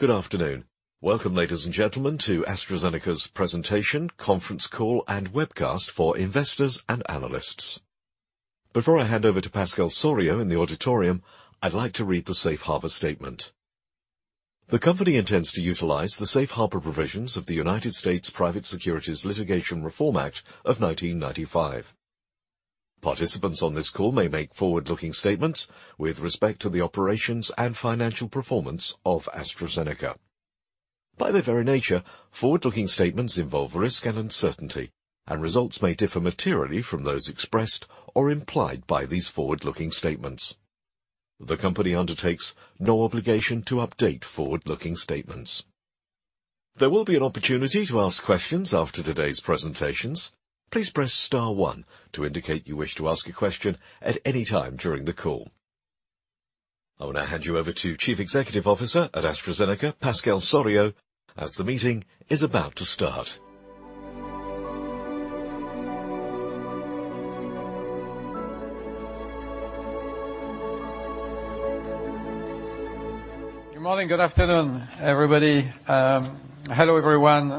Good afternoon. Welcome, ladies and gentlemen, to AstraZeneca's presentation, conference call and webcast for investors and analysts. Before I hand over to Pascal Soriot in the auditorium, I'd like to read the Safe Harbor statement. The company intends to utilize the Safe Harbor provisions of the United States Private Securities Litigation Reform Act of 1995. Participants on this call may make forward-looking statements with respect to the operations and financial performance of AstraZeneca. By their very nature, forward-looking statements involve risk and uncertainty, and results may differ materially from those expressed or implied by these forward-looking statements. The company undertakes no obligation to update forward-looking statements. There will be an opportunity to ask questions after today's presentations. Please press star one to indicate you wish to ask a question at any time during the call. I will now hand you over to Chief Executive Officer at AstraZeneca, Pascal Soriot, as the meeting is about to start. Good morning. Good afternoon, everybody. Hello, everyone.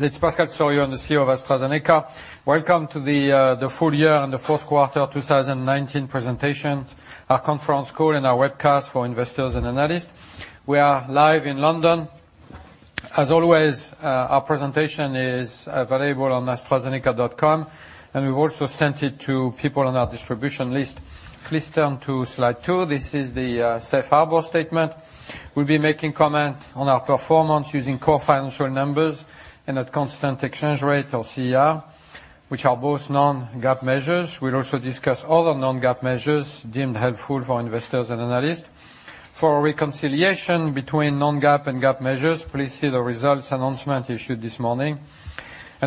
It's Pascal Soriot. I'm the CEO of AstraZeneca. Welcome to the full year and the Q4 of 2019 presentation, our conference call, and our webcast for investors and analysts. We are live in London. As always, our presentation is available on astrazeneca.com, and we've also sent it to people on our distribution list. Please turn to slide 2. This is the Safe Harbor statement. We'll be making comment on our performance using core financial numbers and at constant exchange rate, or CER, which are both non-GAAP measures. We'll also discuss other non-GAAP measures deemed helpful for investors and analysts. For a reconciliation between non-GAAP and GAAP measures, please see the results announcement issued this morning.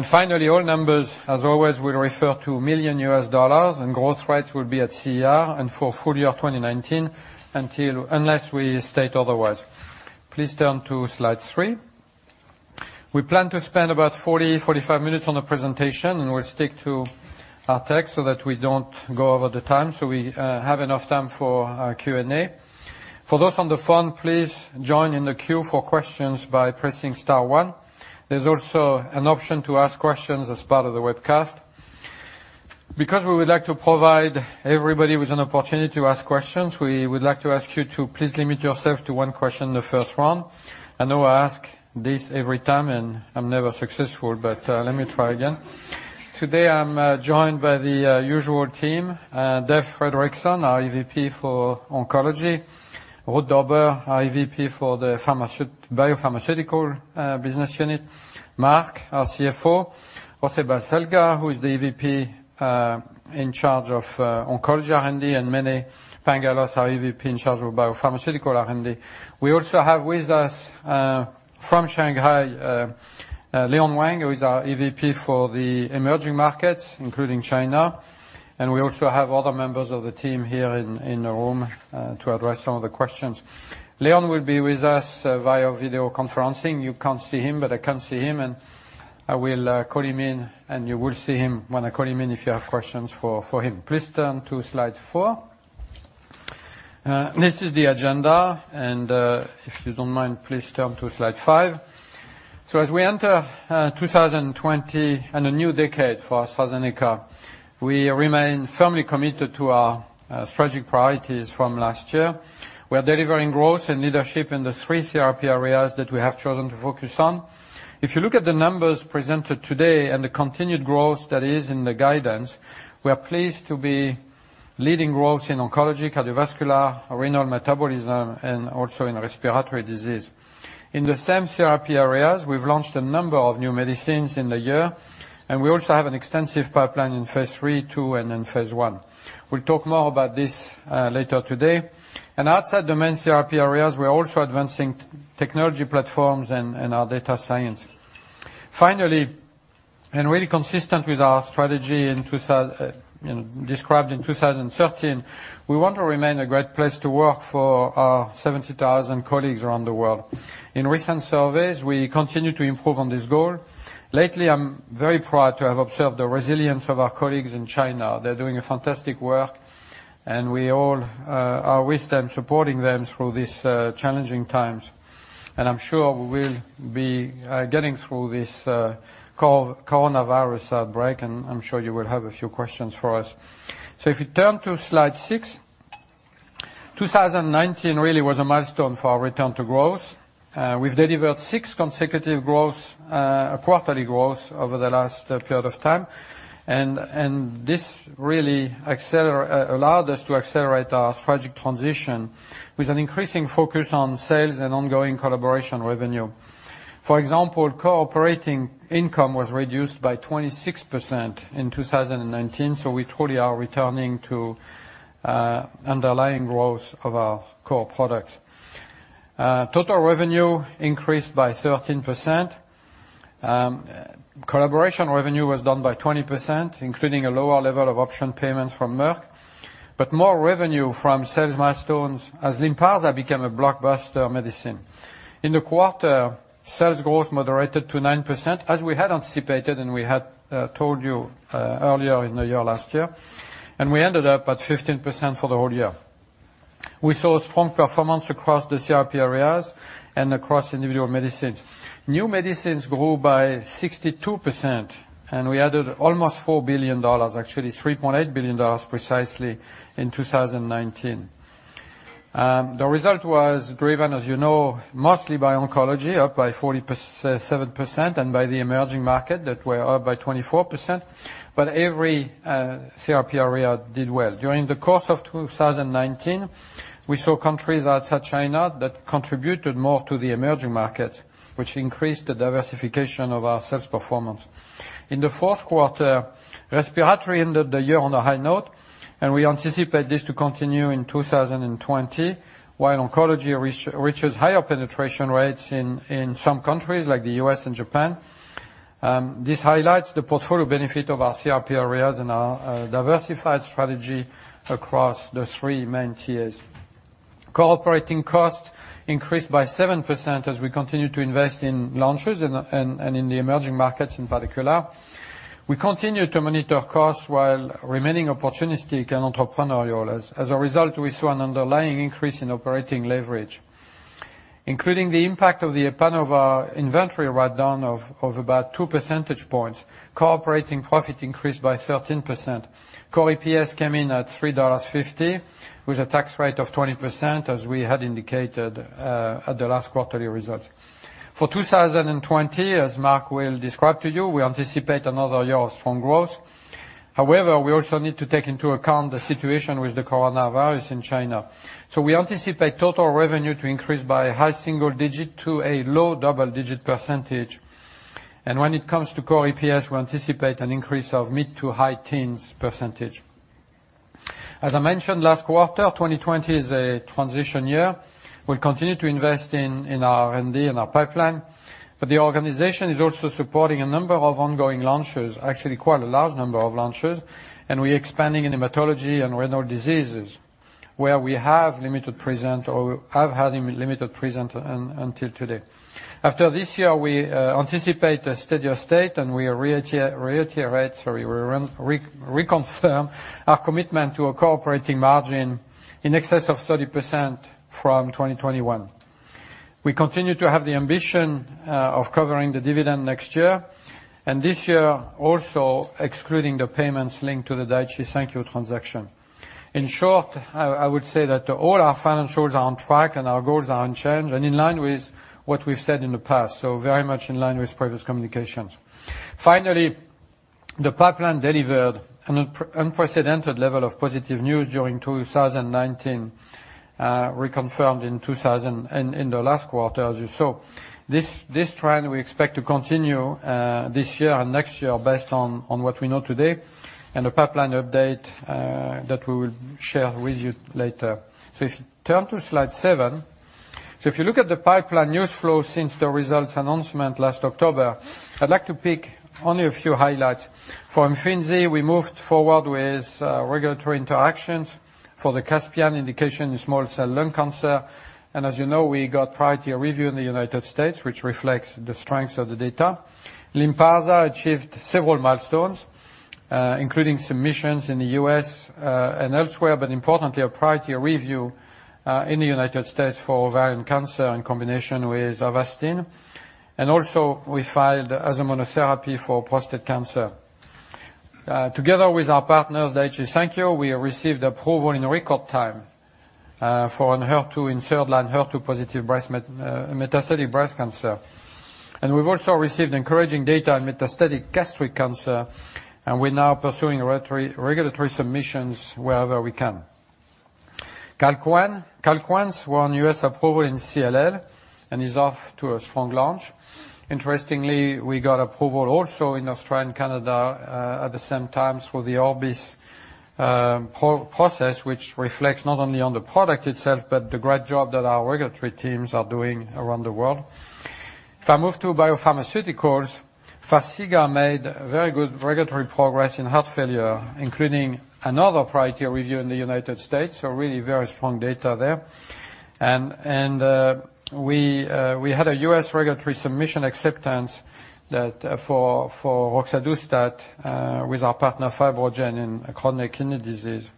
Finally, all numbers, as always, will refer to million U.S. dollar, and growth rates will be at CER and for full year 2019 unless we state otherwise. Please turn to slide 3. We plan to spend about 40, 45 minutes on the presentation, we'll stick to our text so that we don't go over the time, so we have enough time for our Q&A. For those on the phone, please join in the queue for questions by pressing star one. There's also an option to ask questions as part of the webcast. We would like to provide everybody with an opportunity to ask questions, we would like to ask you to please limit yourself to one question in the first round. I know I ask this every time, I'm never successful, let me try again. Today, I'm joined by the usual team, Dave Fredrickson, our EVP for Oncology, Ruud Dobber, our EVP for the Biopharmaceutical business unit, Marc, our CFO, José Baselga, who is the EVP in charge of Oncology R&D, and Mene Pangalos, our EVP in charge of Biopharmaceutical R&D. We also have with us from Shanghai, Leon Wang, who is our EVP for the emerging markets, including China. We also have other members of the team here in the room to address some of the questions. Leon will be with us via video conferencing. You can't see him, but I can see him, and I will call him in, and you will see him when I call him in if you have questions for him. Please turn to slide 4. This is the agenda, and if you don't mind, please turn to slide 5. As we enter 2020 and a new decade for AstraZeneca, we remain firmly committed to our strategic priorities from last year. We are delivering growth and leadership in the three therapy areas that we have chosen to focus on. If you look at the numbers presented today and the continued growth that is in the guidance, we are pleased to be leading growth in oncology, Cardiovascular-renal-metabolism, and also in respiratory disease. In the same therapy areas, we've launched a number of new medicines in the year, and we also have an extensive pipeline in phase III, II, and in phase I. We'll talk more about this later today. Outside the main therapy areas, we are also advancing technology platforms and our data science. Finally, really consistent with our strategy described in 2013, we want to remain a great place to work for our 70,000 colleagues around the world. In recent surveys, we continue to improve on this goal. Lately, I'm very proud to have observed the resilience of our colleagues in China. They're doing a fantastic work, and we all are with them, supporting them through these challenging times. I'm sure we'll be getting through this coronavirus outbreak, and I'm sure you will have a few questions for us. If you turn to slide 6, 2019 really was a milestone for our return to growth. We've delivered six consecutive quarterly growth over the last period of time, and this really allowed us to accelerate our strategic transition with an increasing focus on sales and ongoing collaboration revenue. For example, operating income was reduced by 26% in 2019, so we truly are returning to underlying growth of our core products. Total revenue increased by 13%. Collaboration revenue was down by 20%, including a lower level of option payment from Merck, but more revenue from sales milestones as Lynparza became a blockbuster medicine. In the quarter, sales growth moderated to 9%, as we had anticipated and we had told you earlier in the year last year, and we ended up at 15% for the whole year. We saw strong performance across the therapy areas and across individual medicines. New medicines grew by 62%, and we added almost $4 billion, actually $3.8 billion precisely, in 2019. The result was driven, as you know, mostly by oncology, up by 47%, and by the emerging market that were up by 24%, but every therapy area did well. During the course of 2019, we saw countries outside China that contributed more to the emerging market, which increased the diversification of our sales performance. In the Q4, respiratory ended the year on a high note, and we anticipate this to continue in 2020, while oncology reaches higher penetration rates in some countries like the U.S. and Japan. This highlights the portfolio benefit of our CRP areas and our diversified strategy across the three main tiers. Core operating costs increased by 7% as we continue to invest in launches and in the emerging markets in particular. We continue to monitor costs while remaining opportunistic and entrepreneurial. As a result, we saw an underlying increase in operating leverage. Including the impact of the Epanova inventory write-down of about two percentage points, core operating profit increased by 13%. Core EPS came in at $3.50 with a tax rate of 20%, as we had indicated at the last quarterly result. For 2020, as Marc will describe to you, we anticipate another year of strong growth. We also need to take into account the situation with the coronavirus in China. We anticipate total revenue to increase by high single digit to a low double-digit percentage. When it comes to core EPS, we anticipate an increase of mid to high teens percentage. As I mentioned last quarter, 2020 is a transition year. We'll continue to invest in R&D and our pipeline, the organization is also supporting a number of ongoing launches, actually quite a large number of launches, we're expanding in hematology and renal diseases, where we have limited presence or have had limited presence until today. After this year, we anticipate a steadier state, we reconfirm our commitment to a core operating margin in excess of 30% from 2021. We continue to have the ambition of covering the dividend next year, this year also excluding the payments linked to the Daiichi Sankyo transaction. In short, I would say that all our financials are on track and our goals are unchanged and in line with what we've said in the past, very much in line with previous communications. Finally, the pipeline delivered an unprecedented level of positive news during 2019, reconfirmed in the last quarter as you saw. This trend we expect to continue this year and next year based on what we know today and the pipeline update that we will share with you later. If you turn to slide 7. If you look at the pipeline news flow since the results announcement last October, I'd like to pick only a few highlights. For IMFINZI, we moved forward with regulatory interactions for the CASPIAN indication in small cell lung cancer, as you know, we got priority review in the U.S., which reflects the strength of the data. Lynparza achieved several milestones, including submissions in the U.S., and elsewhere, importantly, a priority review in the U.S. for ovarian cancer in combination with Avastin. Also we filed as a monotherapy for prostate cancer. Together with our partners, Daiichi Sankyo, we have received approval in record time for ENHERTU in third-line HER2-positive metastatic breast cancer. We've also received encouraging data in metastatic gastric cancer, and we're now pursuing regulatory submissions wherever we can. CALQUENCE won U.S. approval in CLL and is off to a strong launch. Interestingly, we got approval also in Australia and Canada at the same time through the ORBIS process, which reflects not only on the product itself, but the great job that our regulatory teams are doing around the world. If I move to biopharmaceuticals, FARXIGA made very good regulatory progress in heart failure, including another priority review in the U.S., really very strong data there. We had a U.S. regulatory submission acceptance for roxadustat with our partner FibroGen in chronic kidney disease.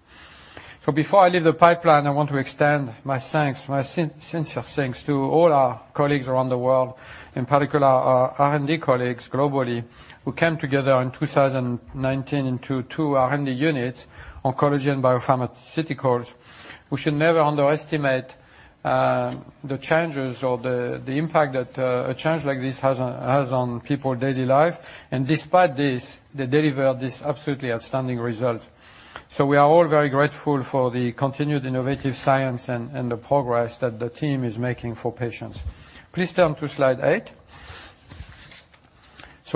Before I leave the pipeline, I want to extend my thanks, my sincere thanks to all our colleagues around the world, in particular our R&D colleagues globally, who came together in 2019 into two R&D units, oncology and biopharmaceuticals. We should never underestimate the changes or the impact that a change like this has on people daily life. Despite this, they delivered this absolutely outstanding result. We are all very grateful for the continued innovative science and the progress that the team is making for patients. Please turn to slide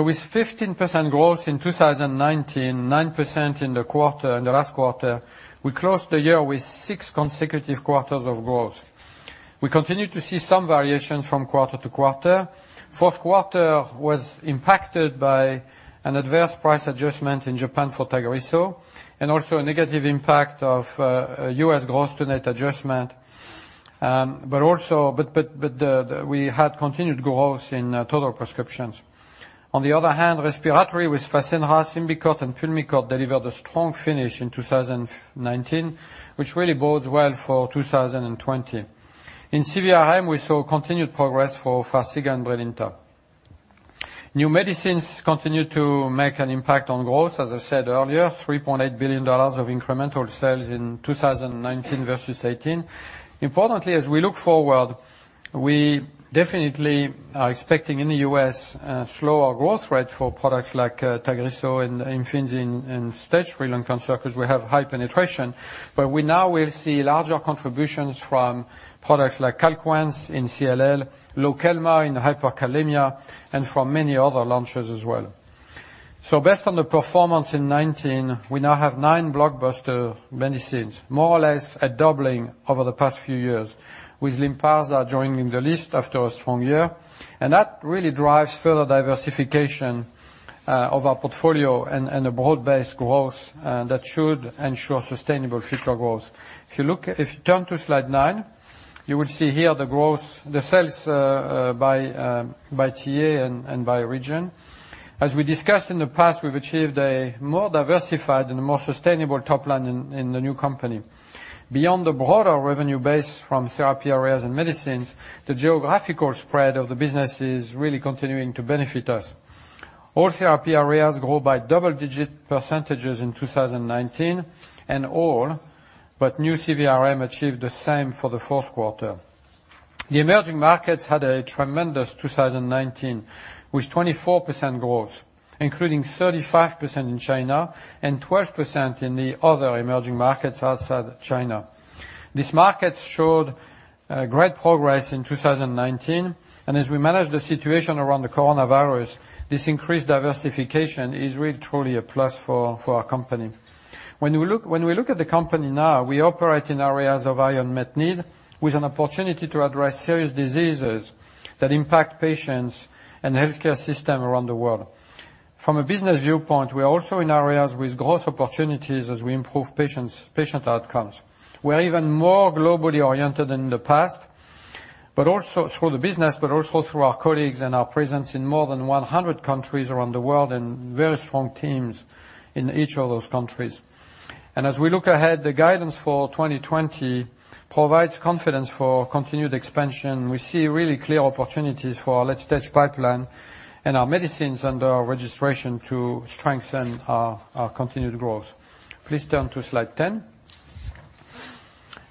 8. With 15% growth in 2019, 9% in the last quarter, we closed the year with six consecutive quarters of growth. We continue to see some variation from quarter-to-quarter. Q4 was impacted by an adverse price adjustment in Japan for TAGRISSO, and also a negative impact of U.S. gross to net adjustment. We had continued growth in total prescriptions. On the other hand, respiratory with FASENRA, SYMBICORT, and PULMICORT delivered a strong finish in 2019, which really bodes well for 2020. In CVRM, we saw continued progress for FARXIGA and BRILINTA. New medicines continued to make an impact on growth, as I said earlier, $3.8 billion of incremental sales in 2019 versus 2018. Importantly, as we look forward, we definitely are expecting in the U.S. a slower growth rate for products like TAGRISSO and IMFINZI in stage 3 lung cancer, because we have high penetration. We now will see larger contributions from products like CALQUENCE in CLL, Lokelma in hyperkalemia, and from many other launches as well. Based on the performance in 2019, we now have nine blockbuster medicines, more or less a doubling over the past few years, with Lynparza joining the list after a strong year. That really drives further diversification of our portfolio and a broad-based growth that should ensure sustainable future growth. If you turn to slide 9, you will see here the sales by TA and by region. As we discussed in the past, we've achieved a more diversified and a more sustainable top line in the new company. Beyond the broader revenue base from therapy areas and medicines, the geographical spread of the business is really continuing to benefit us. All therapy areas grew by double-digit percentage in 2019, and all but new CVRM achieved the same for the Q4. The emerging markets had a tremendous 2019 with 24% growth, including 35% in China and 12% in the other emerging markets outside China. These markets showed great progress in 2019, as we manage the situation around the coronavirus, this increased diversification is really, truly a plus for our company. When we look at the company now, we operate in areas of high unmet need with an opportunity to address serious diseases that impact patients and the healthcare system around the world. From a business viewpoint, we're also in areas with growth opportunities as we improve patient outcomes. We're even more globally oriented than in the past through the business, but also through our colleagues and our presence in more than 100 countries around the world and very strong teams in each of those countries. As we look ahead, the guidance for 2020 provides confidence for continued expansion. We see really clear opportunities for our late-stage pipeline and our medicines under our registration to strengthen our continued growth. Please turn to slide 10.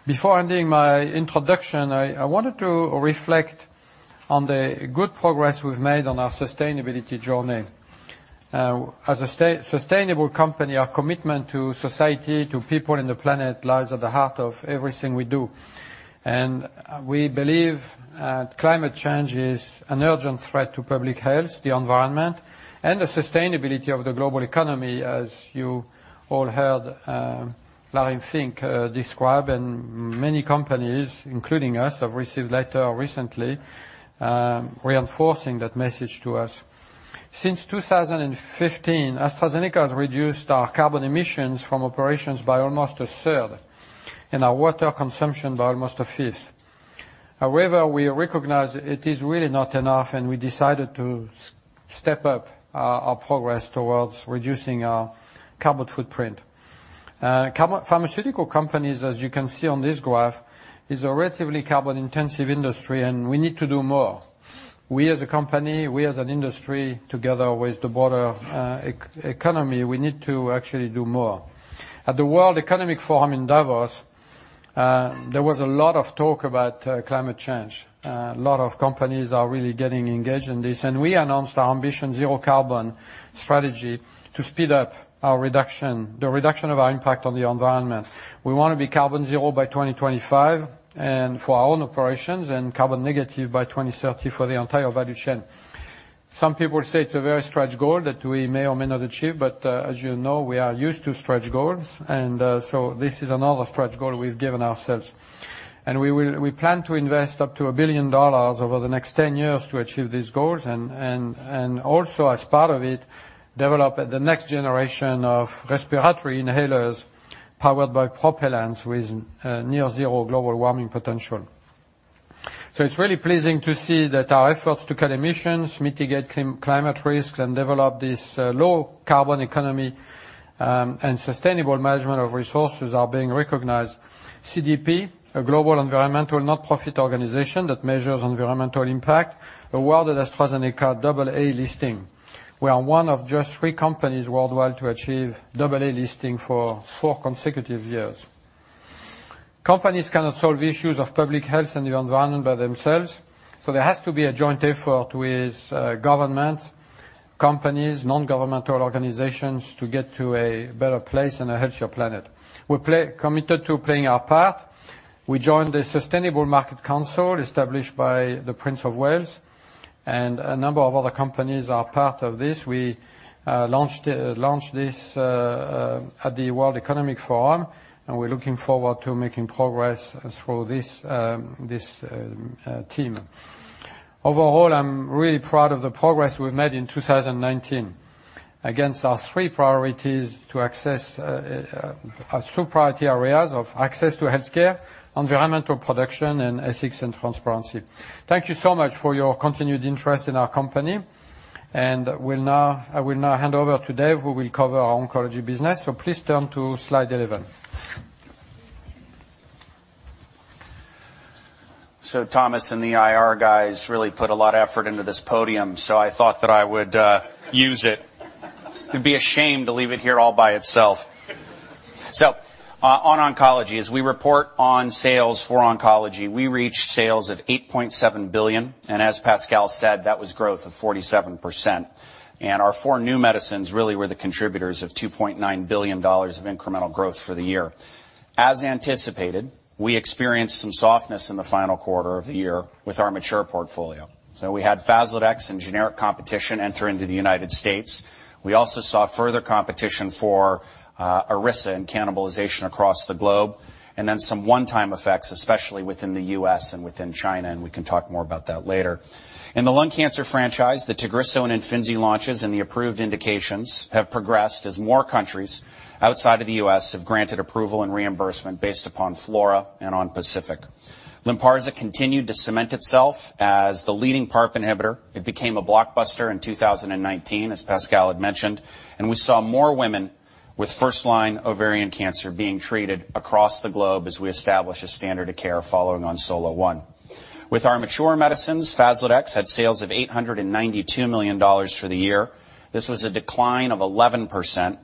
Before ending my introduction, I wanted to reflect on the good progress we've made on our sustainability journey. As a sustainable company, our commitment to society, to people and the planet lies at the heart of everything we do. We believe that climate change is an urgent threat to public health, the environment, and the sustainability of the global economy, as you all heard Larry Fink describe, and many companies, including us, have received letter recently, reinforcing that message to us. Since 2015, AstraZeneca has reduced our carbon emissions from operations by almost a third and our water consumption by almost a fifth. However, we recognize it is really not enough, and we decided to step up our progress towards reducing our carbon footprint. Pharmaceutical companies, as you can see on this graph, is a relatively carbon-intensive industry, and we need to do more. We as a company, we as an industry, together with the broader economy, we need to actually do more. At the World Economic Forum in Davos, there was a lot of talk about climate change. A lot of companies are really getting engaged in this. We announced our Ambition Zero Carbon strategy to speed up the reduction of our impact on the environment. We want to be carbon zero by 2025 and for our own operations and carbon negative by 2030 for the entire value chain. Some people say it's a very stretch goal that we may or may not achieve. As you know, we are used to stretch goals. This is another stretch goal we've given ourselves. We plan to invest up to $1 billion over the next 10 years to achieve these goals, and also as part of it, develop the next generation of respiratory inhalers powered by propellants with near zero global warming potential. It's really pleasing to see that our efforts to cut emissions, mitigate climate risks, and develop this low carbon economy and sustainable management of resources are being recognized. CDP, a global environmental nonprofit organization that measures environmental impact, awarded AstraZeneca a double A listing. We are one of just three companies worldwide to achieve double A listing for four consecutive years. Companies cannot solve issues of public health and the environment by themselves. There has to be a joint effort with governments, companies, non-governmental organizations to get to a better place and a healthier planet. We're committed to playing our part. We joined the Sustainable Markets Initiative established by the Prince of Wales. A number of other companies are part of this. We launched this at the World Economic Forum. We're looking forward to making progress through this team. Overall, I'm really proud of the progress we've made in 2019 against our three priorities to access our three priority areas of access to healthcare, environmental protection, and ethics and transparency. Thank you so much for your continued interest in our company, and I will now hand over to Dave, who will cover our oncology business. Please turn to slide 11. Thomas and the IR guys really put a lot of effort into this podium, so I thought that I would use it. It'd be a shame to leave it here all by itself. On oncology, as we report on sales for oncology, we reached sales of $8.7 billion, and as Pascal said, that was growth of 47%. Our four new medicines really were the contributors of $2.9 billion of incremental growth for the year. As anticipated, we experienced some softness in the final quarter of the year with our mature portfolio. We had Faslodex and generic competition enter into the U.S. We also saw further competition for Iressa and cannibalization across the globe, and then some one-time effects, especially within the U.S. and within China, and we can talk more about that later. In the lung cancer franchise, the TAGRISSO and IMFINZI launches and the approved indications have progressed as more countries outside of the U.S. have granted approval and reimbursement based upon FLAURA and on PACIFIC. Lynparza continued to cement itself as the leading PARP inhibitor. It became a blockbuster in 2019, as Pascal had mentioned. We saw more women with first-line ovarian cancer being treated across the globe as we establish a standard of care following on SOLO-1. With our mature medicines, Faslodex had sales of $892 million for the year. This was a decline of 11%.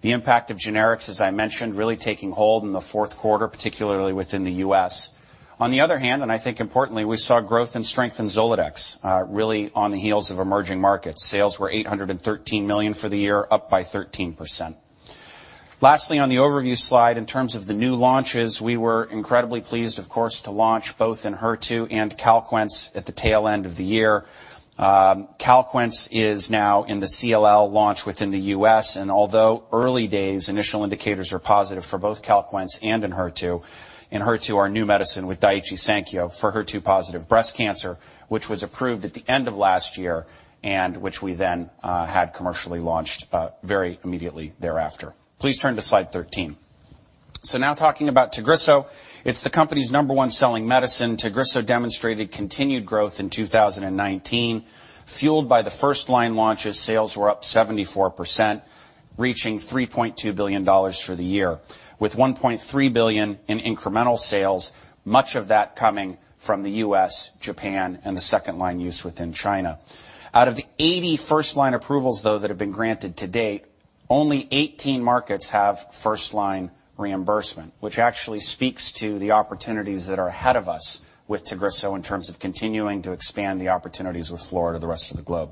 The impact of generics, as I mentioned, really taking hold in the Q4, particularly within the U.S. On the other hand, and I think importantly, we saw growth and strength in Zoladex, really on the heels of emerging markets. Sales were $813 million for the year, up by 13%. Lastly, on the overview slide, in terms of the new launches, we were incredibly pleased, of course, to launch both ENHERTU and CALQUENCE at the tail end of the year. CALQUENCE is now in the CLL launch within the U.S., and although early days, initial indicators are positive for both CALQUENCE and ENHERTU. ENHERTU, our new medicine with Daiichi Sankyo for HER2 positive breast cancer, which was approved at the end of last year and which we then had commercially launched very immediately thereafter. Please turn to slide 13. Now talking about TAGRISSO, it's the company's number-one selling medicine. TAGRISSO demonstrated continued growth in 2019. Fueled by the first-line launches, sales were up 74%, reaching $3.2 billion for the year, with $1.3 billion in incremental sales, much of that coming from the U.S., Japan, and the second-line use within China. Out of the 80 first-line approvals, though, that have been granted to date, only 18 markets have first-line reimbursement, which actually speaks to the opportunities that are ahead of us with TAGRISSO in terms of continuing to expand the opportunities with FLAURA to the rest of the globe.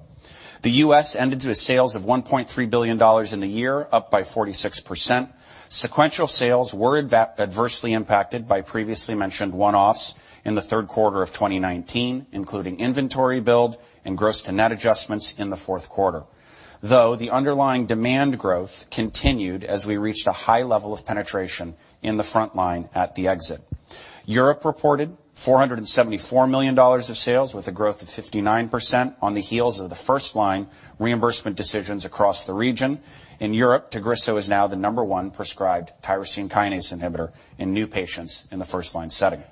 The U.S. ended to sales of $1.3 billion in the year, up by 46%. Sequential sales were adversely impacted by previously mentioned one-offs in Q3 of 2019, including inventory build and gross to net adjustments in the Q4. The underlying demand growth continued as we reached a high level of penetration in the front line at the exit. Europe reported $474 million of sales with a growth of 59% on the heels of the first-line reimbursement decisions across the region. In Europe, TAGRISSO is now the number one prescribed tyrosine kinase inhibitor in new patients in the first-line setting.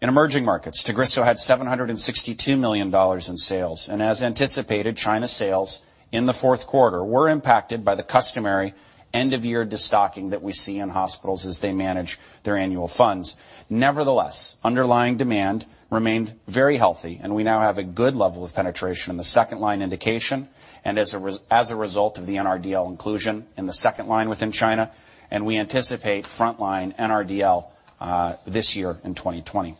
In emerging markets, TAGRISSO had $762 million in sales. As anticipated, China sales in the Q4 were impacted by the customary end-of-year destocking that we see in hospitals as they manage their annual funds. Nevertheless, underlying demand remained very healthy, and we now have a good level of penetration in the second-line indication and as a result of the NRDL inclusion in the second line within China, and we anticipate front-line NRDL this year in 2020.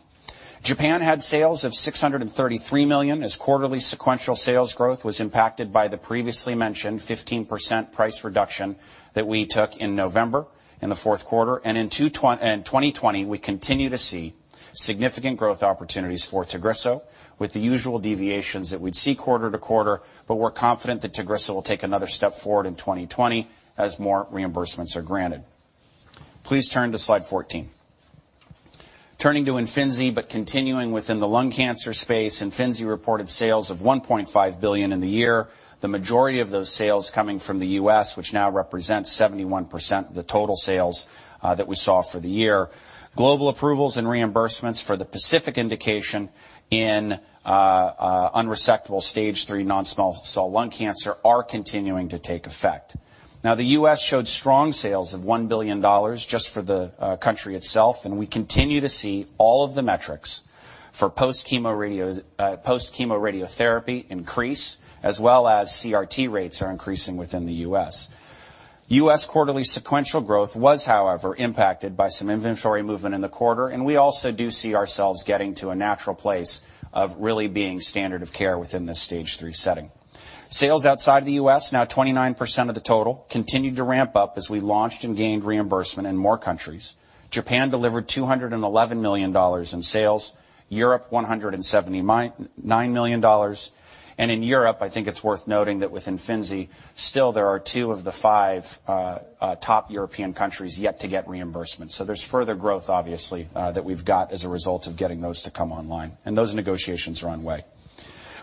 Japan had sales of $633 million as quarterly sequential sales growth was impacted by the previously mentioned 15% price reduction that we took in November, in Q4. In 2020, we continue to see significant growth opportunities for TAGRISSO with the usual deviations that we'd see quarter-to-quarter. We're confident that TAGRISSO will take another step forward in 2020 as more reimbursements are granted. Please turn to slide 14. Turning to IMFINZI but continuing within the lung cancer space, IMFINZI reported sales of $1.5 billion in the year. The majority of those sales coming from the U.S., which now represents 71% of the total sales that we saw for the year. Global approvals and reimbursements for the PACIFIC indication in unresectable stage 3 non-small cell lung cancer are continuing to take effect. The U.S. showed strong sales of $1 billion just for the country itself, and we continue to see all of the metrics for post-chemoradiotherapy increase, as well as CRT rates are increasing within the U.S. U.S. quarterly sequential growth was, however, impacted by some inventory movement in the quarter. We also do see ourselves getting to a natural place of really being standard of care within this stage 3 setting. Sales outside of the U.S., now 29% of the total, continued to ramp up as we launched and gained reimbursement in more countries. Japan delivered $211 million in sales, Europe $179 million. In Europe, I think it's worth noting that with IMFINZI, still there are two of the five top European countries yet to get reimbursement. There's further growth, obviously, that we've got as a result of getting those to come online, and those negotiations are underway.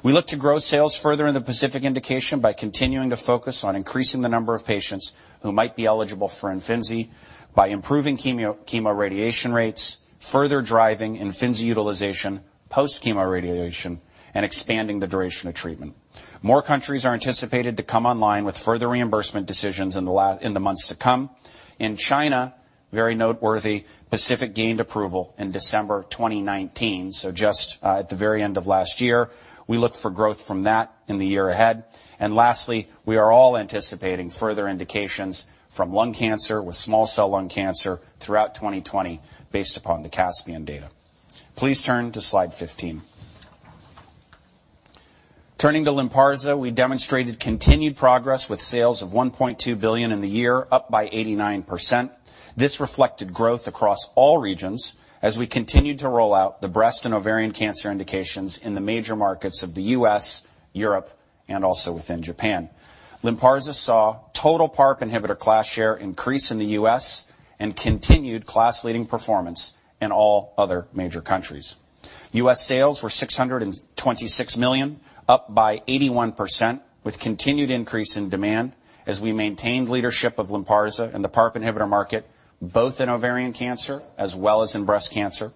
We look to grow sales further in the PACIFIC indication by continuing to focus on increasing the number of patients who might be eligible for IMFINZI by improving chemoradiation rates, further driving IMFINZI utilization post chemoradiation, and expanding the duration of treatment. More countries are anticipated to come online with further reimbursement decisions in the months to come. In China, very noteworthy, PACIFIC gained approval in December 2019, so just at the very end of last year. We look for growth from that in the year ahead. Lastly, we are all anticipating further indications from lung cancer, with small cell lung cancer throughout 2020 based upon the CASPIAN data. Please turn to slide 15. Turning to Lynparza, we demonstrated continued progress with sales of $1.2 billion in the year, up by 89%. This reflected growth across all regions as we continued to roll out the breast and ovarian cancer indications in the major markets of the U.S., Europe, and also within Japan. Lynparza saw total PARP inhibitor class share increase in the U.S. and continued class-leading performance in all other major countries. U.S. sales were $626 million, up by 81%, with continued increase in demand as we maintained leadership of Lynparza in the PARP inhibitor market, both in ovarian cancer as well as in breast cancer.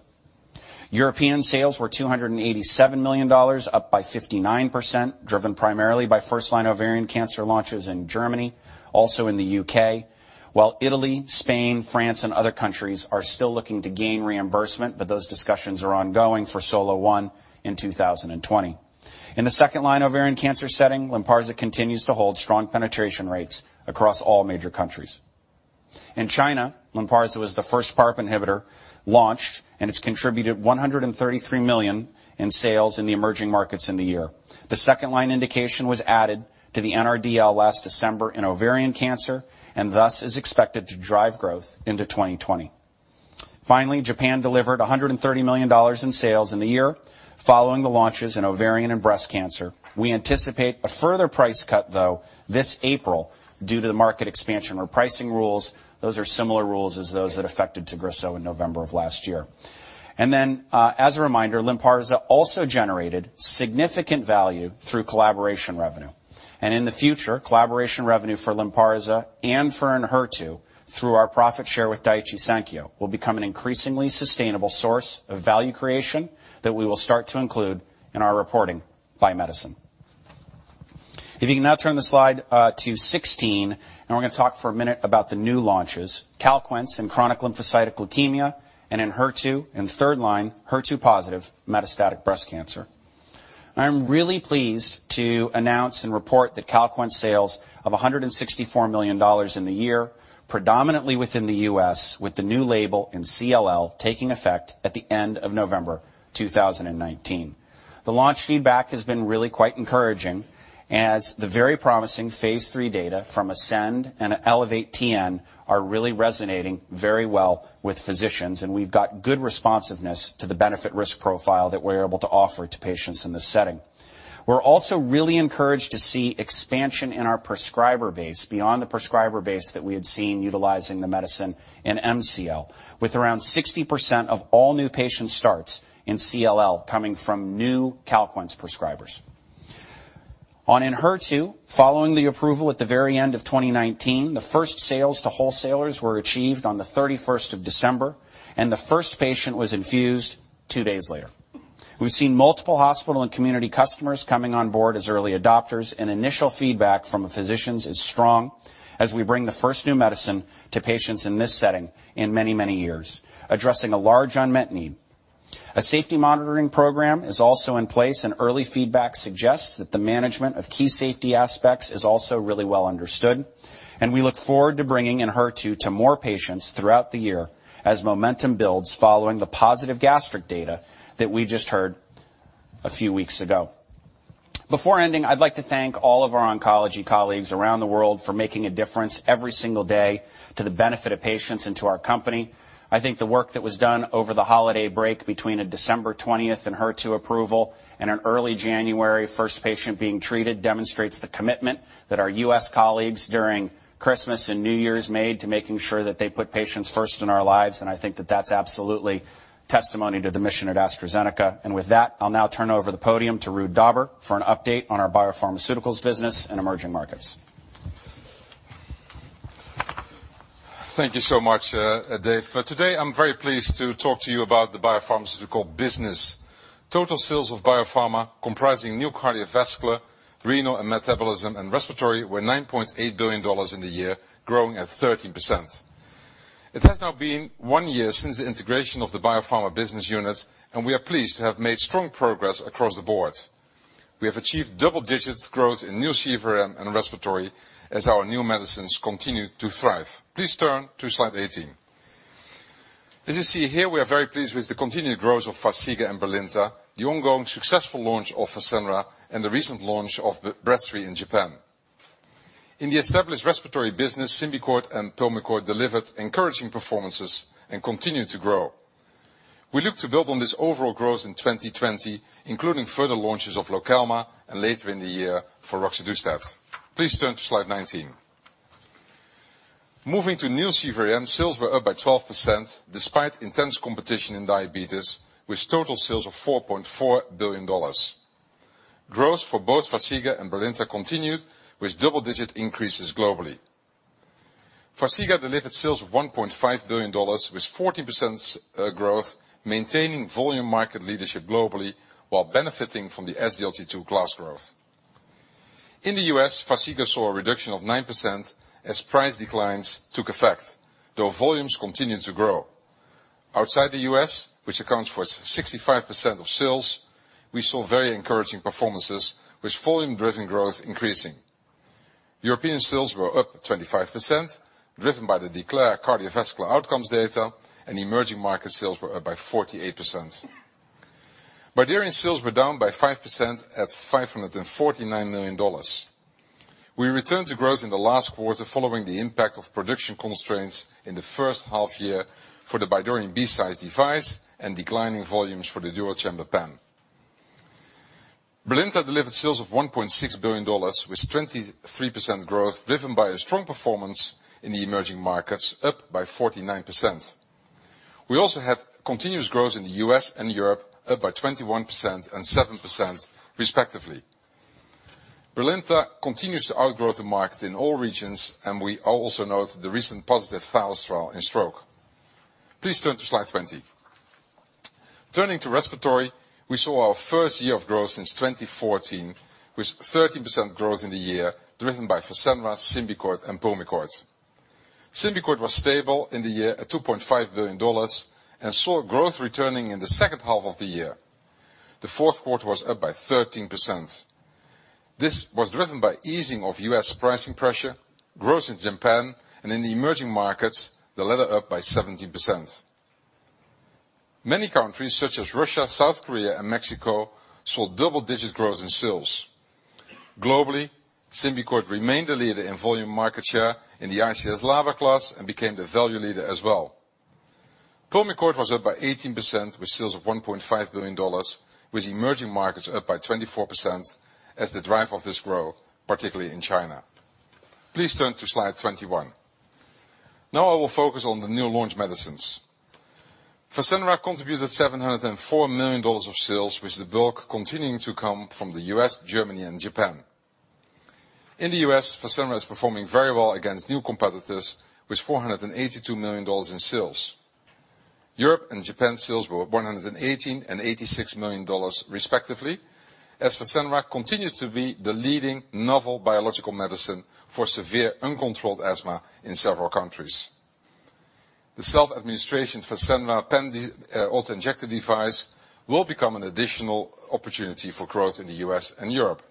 European sales were $287 million, up by 59%, driven primarily by first-line ovarian cancer launches in Germany, also in the U.K. While Italy, Spain, France, and other countries are still looking to gain reimbursement, but those discussions are ongoing for SOLO-1 in 2020. In the second-line ovarian cancer setting, Lynparza continues to hold strong penetration rates across all major countries. In China, Lynparza was the first PARP inhibitor launched, and it's contributed $133 million in sales in the emerging markets in the year. The second line indication was added to the NRDL last December in ovarian cancer, and thus is expected to drive growth into 2020. Finally, Japan delivered $130 million in sales in the year following the launches in ovarian and breast cancer. We anticipate a further price cut, though, this April due to the market expansion or pricing rules. Those are similar rules as those that affected TAGRISSO in November of last year. As a reminder, Lynparza also generated significant value through collaboration revenue. In the future, collaboration revenue for Lynparza and for ENHERTU, through our profit share with Daiichi Sankyo, will become an increasingly sustainable source of value creation that we will start to include in our reporting by medicine. If you can now turn the slide to 16, we're going to talk for a minute about the new launches, CALQUENCE in chronic lymphocytic leukemia and ENHERTU in third-line, HER2-positive metastatic breast cancer. I'm really pleased to announce and report that CALQUENCE sales of $164 million in the year, predominantly within the U.S., with the new label in CLL taking effect at the end of November 2019. The launch feedback has been really quite encouraging as the very promising phase III data from ASCEND and ELEVATE-TN are really resonating very well with physicians, and we've got good responsiveness to the benefit risk profile that we're able to offer to patients in this setting. We're also really encouraged to see expansion in our prescriber base beyond the prescriber base that we had seen utilizing the medicine in MCL, with around 60% of all new patient starts in CLL coming from new CALQUENCE prescribers. On ENHERTU, following the approval at the very end of 2019, the first sales to wholesalers were achieved on the December 31st, and the first patient was infused two days later. We've seen multiple hospital and community customers coming on board as early adopters, and initial feedback from the physicians is strong as we bring the first new medicine to patients in this setting in many, many years, addressing a large unmet need. A safety monitoring program is also in place, and early feedback suggests that the management of key safety aspects is also really well understood, and we look forward to bringing ENHERTU to more patients throughout the year as momentum builds following the positive gastric data that we just heard a few weeks ago. Before ending, I'd like to thank all of our oncology colleagues around the world for making a difference every single day to the benefit of patients and to our company. I think the work that was done over the holiday break between a December 20th ENHERTU approval and an early January 1st patient being treated demonstrates the commitment that our U.S. colleagues during Christmas and New Year's made to making sure that they put patients first in our lives, and I think that that's absolutely testimony to the mission at AstraZeneca. With that, I'll now turn over the podium to Ruud Dobber for an update on our BioPharmaceuticals business and emerging markets. Thank you so much, Dave. Today, I'm very pleased to talk to you about the BioPharmaceuticals business. Total sales of BioPharmaceuticals, comprising new Cardiovascular, Renal and Metabolism, and Respiratory, were $9.8 billion in the year, growing at 13%. It has now been one year since the integration of the BioPharmaceuticals Business Unit, and we are pleased to have made strong progress across the board. We have achieved double-digit growth in new CVRM and Respiratory as our new medicines continue to thrive. Please turn to slide 18. As you see here, we are very pleased with the continued growth of FARXIGA and BRILINTA, the ongoing successful launch of FASENRA, and the recent launch of Breztri in Japan. In the established Respiratory business, SYMBICORT and Pulmicort delivered encouraging performances and continue to grow. We look to build on this overall growth in 2020, including further launches of Lokelma and later in the year for roxadustat. Please turn to slide 19. Moving to new CVRM, sales were up by 12%, despite intense competition in diabetes, with total sales of $4.4 billion. Growth for both FARXIGA and BRILINTA continued, with double-digit increases globally. FARXIGA delivered sales of $1.5 billion with 14% growth, maintaining volume market leadership globally while benefiting from the SGLT2 class growth. In the U.S., FARXIGA saw a reduction of 9% as price declines took effect, though volumes continued to grow. Outside the U.S., which accounts for 65% of sales, we saw very encouraging performances, with volume-driven growth increasing. European sales were up 25%, driven by the DECLARE cardiovascular outcomes data, and emerging market sales were up by 48%. Bydureon sales were down by 5% at $549 million. We returned to growth in the last quarter following the impact of production constraints in the H1 year for the Bydureon device and declining volumes for the dual-chamber pen. BRILINTA delivered sales of $1.6 billion with 23% growth, driven by a strong performance in the emerging markets up by 49%. We also have continuous growth in the U.S. and Europe up by 21% and 7% respectively. BRILINTA continues to outgrow the market in all regions, and we also note the recent positive phase trial in stroke. Please turn to slide 20. Turning to respiratory, we saw our first year of growth since 2014, with 13% growth in the year driven by FASENRA, SYMBICORT, and Pulmicort. SYMBICORT was stable in the year at $2.5 billion and saw growth returning in the H2 of the year. The Q4 was up by 13%. This was driven by easing of U.S. pricing pressure, growth in Japan, and in the emerging markets, the latter up by 17%. Many countries, such as Russia, South Korea, and Mexico, saw double-digit growth in sales. Globally, SYMBICORT remained the leader in volume market share in the ICS/LABA class and became the value leader as well. Pulmicort was up by 18%, with sales of $1.5 billion, with emerging markets up by 24% as the driver of this growth, particularly in China. Please turn to slide 21. I will focus on the new launch medicines. FASENRA contributed $704 million of sales with the bulk continuing to come from the U.S., Germany, and Japan. In the U.S., FASENRA is performing very well against new competitors, with $482 million in sales. Europe and Japan sales were $118 million and $86 million respectively, as Fasenra continued to be the leading novel biological medicine for severe uncontrolled asthma in several countries. The self-administration Fasenra pen auto-injector device will become an additional opportunity for growth in the U.S. and Europe.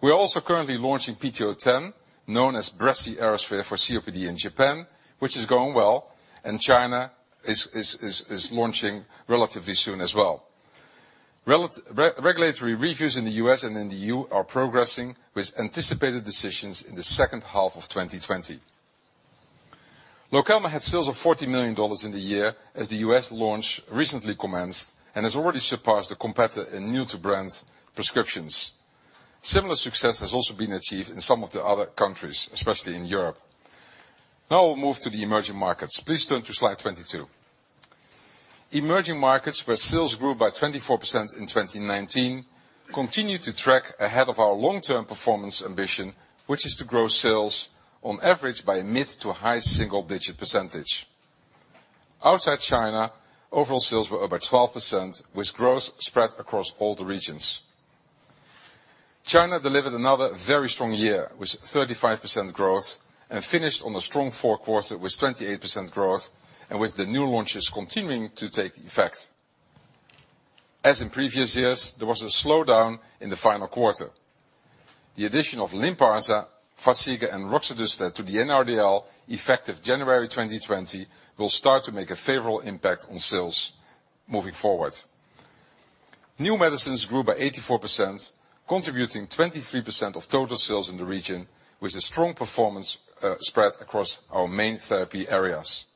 We are also currently launching PT010, known as Breztri Aerosphere for COPD in Japan, which is going well, and China is launching relatively soon as well. Regulatory reviews in the U.S. and in the EU are progressing, with anticipated decisions in the H2 of 2020. Lokelma had sales of $40 million in the year as the U.S. launch recently commenced and has already surpassed the competitor in new-to-brand prescriptions. Similar success has also been achieved in some of the other countries, especially in Europe. Now we'll move to the emerging markets. Please turn to slide 22. Emerging markets, where sales grew by 24% in 2019, continue to track ahead of our long-term performance ambition, which is to grow sales on average by mid to high single digit percentage. Outside China, overall sales were up by 12%, with growth spread across all the regions. China delivered another very strong year, with 35% growth and finished on a strong Q4 with 28% growth and with the new launches continuing to take effect. As in previous years, there was a slowdown in the final quarter. The addition of Lynparza, Farxiga, and roxadustat to the NRDL, effective January 2020, will start to make a favorable impact on sales moving forward. New medicines grew by 84%, contributing 23% of total sales in the region, with a strong performance spread across our main therapy areas.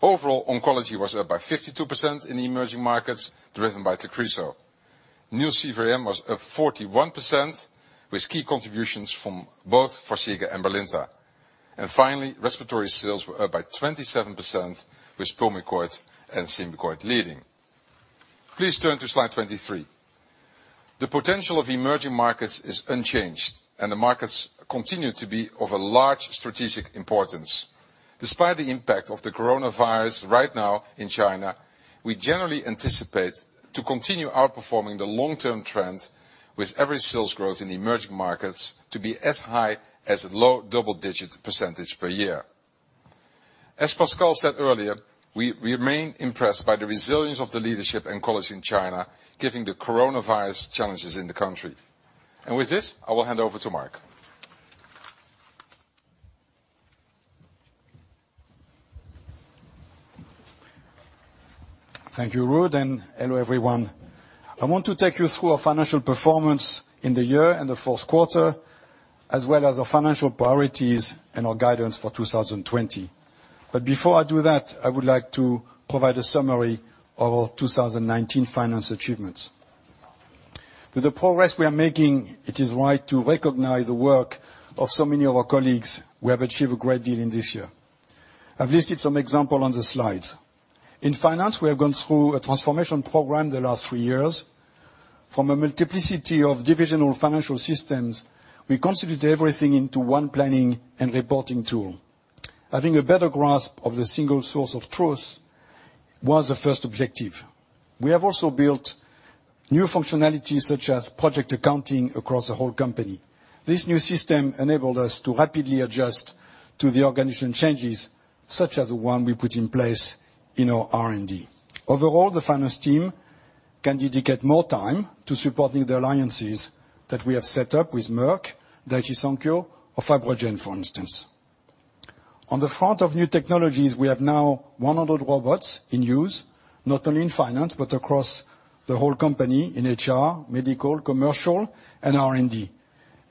Overall, oncology was up by 52% in the emerging markets, driven by TAGRISSO. New CVRM was up 41%, with key contributions from both FARXIGA and BRILINTA. Finally, respiratory sales were up by 27%, with PULMICORT and SYMBICORT leading. Please turn to slide 23. The potential of emerging markets is unchanged, the markets continue to be of a large strategic importance. Despite the impact of the coronavirus right now in China, we generally anticipate to continue outperforming the long-term trend with average sales growth in emerging markets to be as high as low double-digit percentage per year. As Pascal said earlier, we remain impressed by the resilience of the leadership in oncology in China, given the coronavirus challenges in the country. With this, I will hand over to Marc. Thank you, Ruud, and hello, everyone. I want to take you through our financial performance in the year and the Q4, as well as our financial priorities and our guidance for 2020. Before I do that, I would like to provide a summary of our 2019 finance achievements. With the progress we are making, it is right to recognize the work of so many of our colleagues. We have achieved a great deal in this year. I've listed some example on the slides. In finance, we have gone through a transformation program the last three years. From a multiplicity of divisional financial systems, we consolidated everything into one planning and reporting tool. Having a better grasp of the single source of truth was the first objective. We have also built new functionalities such as project accounting across the whole company. This new system enabled us to rapidly adjust to the organization changes, such as the one we put in place in our R&D. Overall, the finance team can dedicate more time to supporting the alliances that we have set up with Merck, Daiichi Sankyo, or FibroGen, for instance. On the front of new technologies, we have now 100 robots in use, not only in finance, but across the whole company in HR, medical, commercial, and R&D,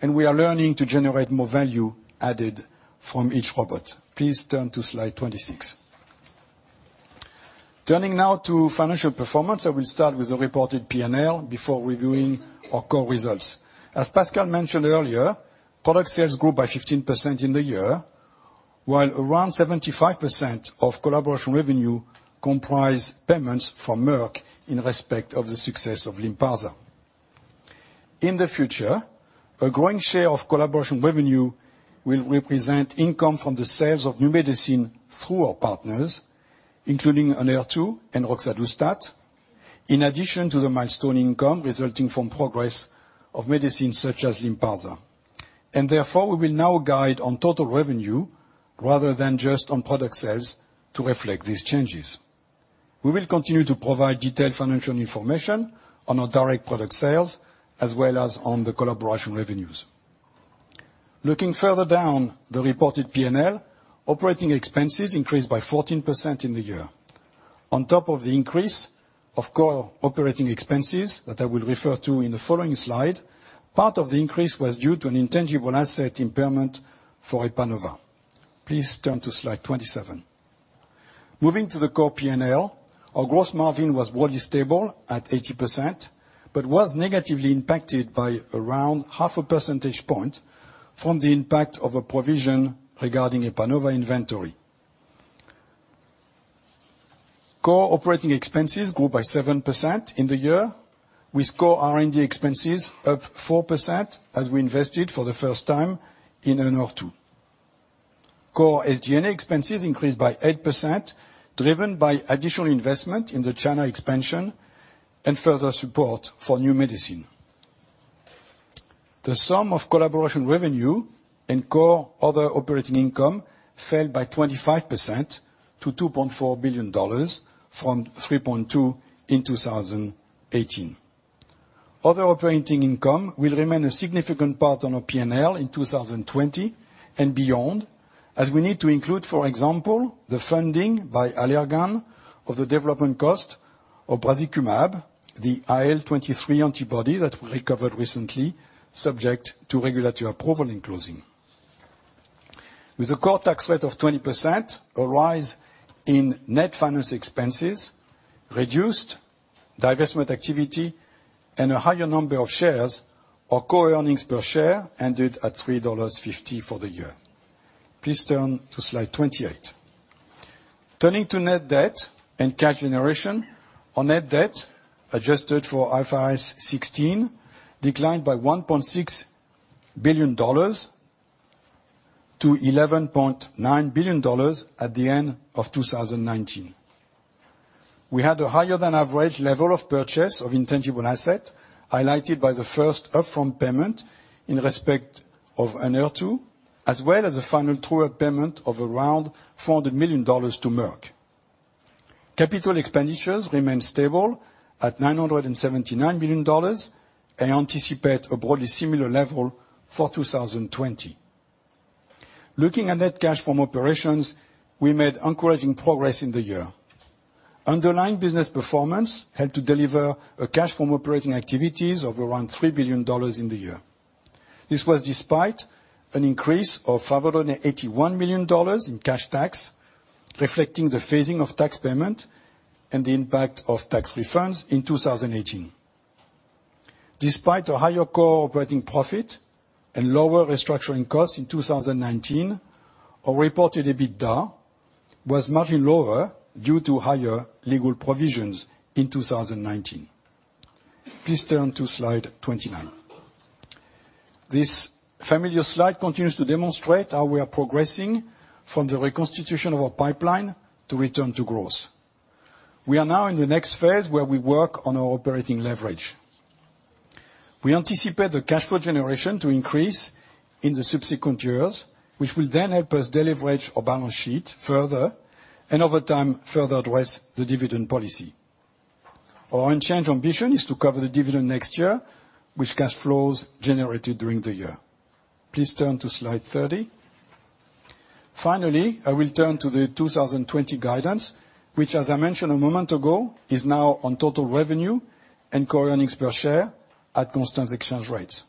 and we are learning to generate more value added from each robot. Please turn to slide 26. Turning now to financial performance, I will start with the reported P&L before reviewing our core results. As Pascal mentioned earlier, product sales grew by 15% in the year, while around 75% of collaboration revenue comprise payments from Merck in respect of the success of Lynparza. In the future, a growing share of collaboration revenue will represent income from the sales of new medicine through our partners, including ENHERTU and Roxadustat, in addition to the milestone income resulting from progress of medicines such as Lynparza. Therefore, we will now guide on total revenue rather than just on product sales to reflect these changes. We will continue to provide detailed financial information on our direct product sales as well as on the collaboration revenues. Looking further down the reported P&L, operating expenses increased by 14% in the year. On top of the increase of core operating expenses that I will refer to in the following slide, part of the increase was due to an intangible asset impairment for Epanova. Please turn to slide 27. Moving to the core P&L, our gross margin was broadly stable at 80%, but was negatively impacted by around half a percentage point from the impact of a provision regarding Epanova inventory. Core operating expenses grew by 7% in the year, with core R&D expenses up 4% as we invested for the first time in ENHERTU Core SG&A expenses increased by 8%, driven by additional investment in the China expansion and further support for new medicine. The sum of collaboration revenue and core other operating income fell by 25% to $2.4 billion from $3.2 billion in 2018. Other operating income will remain a significant part on our P&L in 2020 and beyond, as we need to include, for example, the funding by Allergan of the development cost of brazikumab, the IL-23 antibody that we recovered recently, subject to regulatory approval and closing. With a core tax rate of 20%, a rise in net finance expenses, reduced divestment activity, and a higher number of shares, our core earnings per share ended at $3.50 for the year. Please turn to slide 28. Turning to net debt and cash generation. Net debt, adjusted for IFRS 16, declined by $1.6 billion to $11.9 billion at the end of 2019. We had a higher than average level of purchase of intangible asset, highlighted by the first upfront payment in respect of ENHERTU, as well as a final true-up payment of around $400 million to Merck. Capital expenditures remained stable at $979 million. I anticipate a broadly similar level for 2020. Looking at net cash from operations, we made encouraging progress in the year. Underlying business performance helped to deliver a cash from operating activities of around $3 billion in the year. This was despite an increase of GBP 581 million in cash tax, reflecting the phasing of tax payment and the impact of tax refunds in 2018. Despite a higher core operating profit and lower restructuring costs in 2019, our reported EBITDA was margin lower due to higher legal provisions in 2019. Please turn to slide 29. This familiar slide continues to demonstrate how we are progressing from the reconstitution of our pipeline to return to growth. We are now in the next phase where we work on our operating leverage. We anticipate the cash flow generation to increase in the subsequent years, which will then help us deleverage our balance sheet further, and over time, further address the dividend policy. Our unchanged ambition is to cover the dividend next year with cash flows generated during the year. Please turn to slide 30. Finally, I will turn to the 2020 guidance, which as I mentioned a moment ago, is now on total revenue and core earnings per share at constant exchange rates.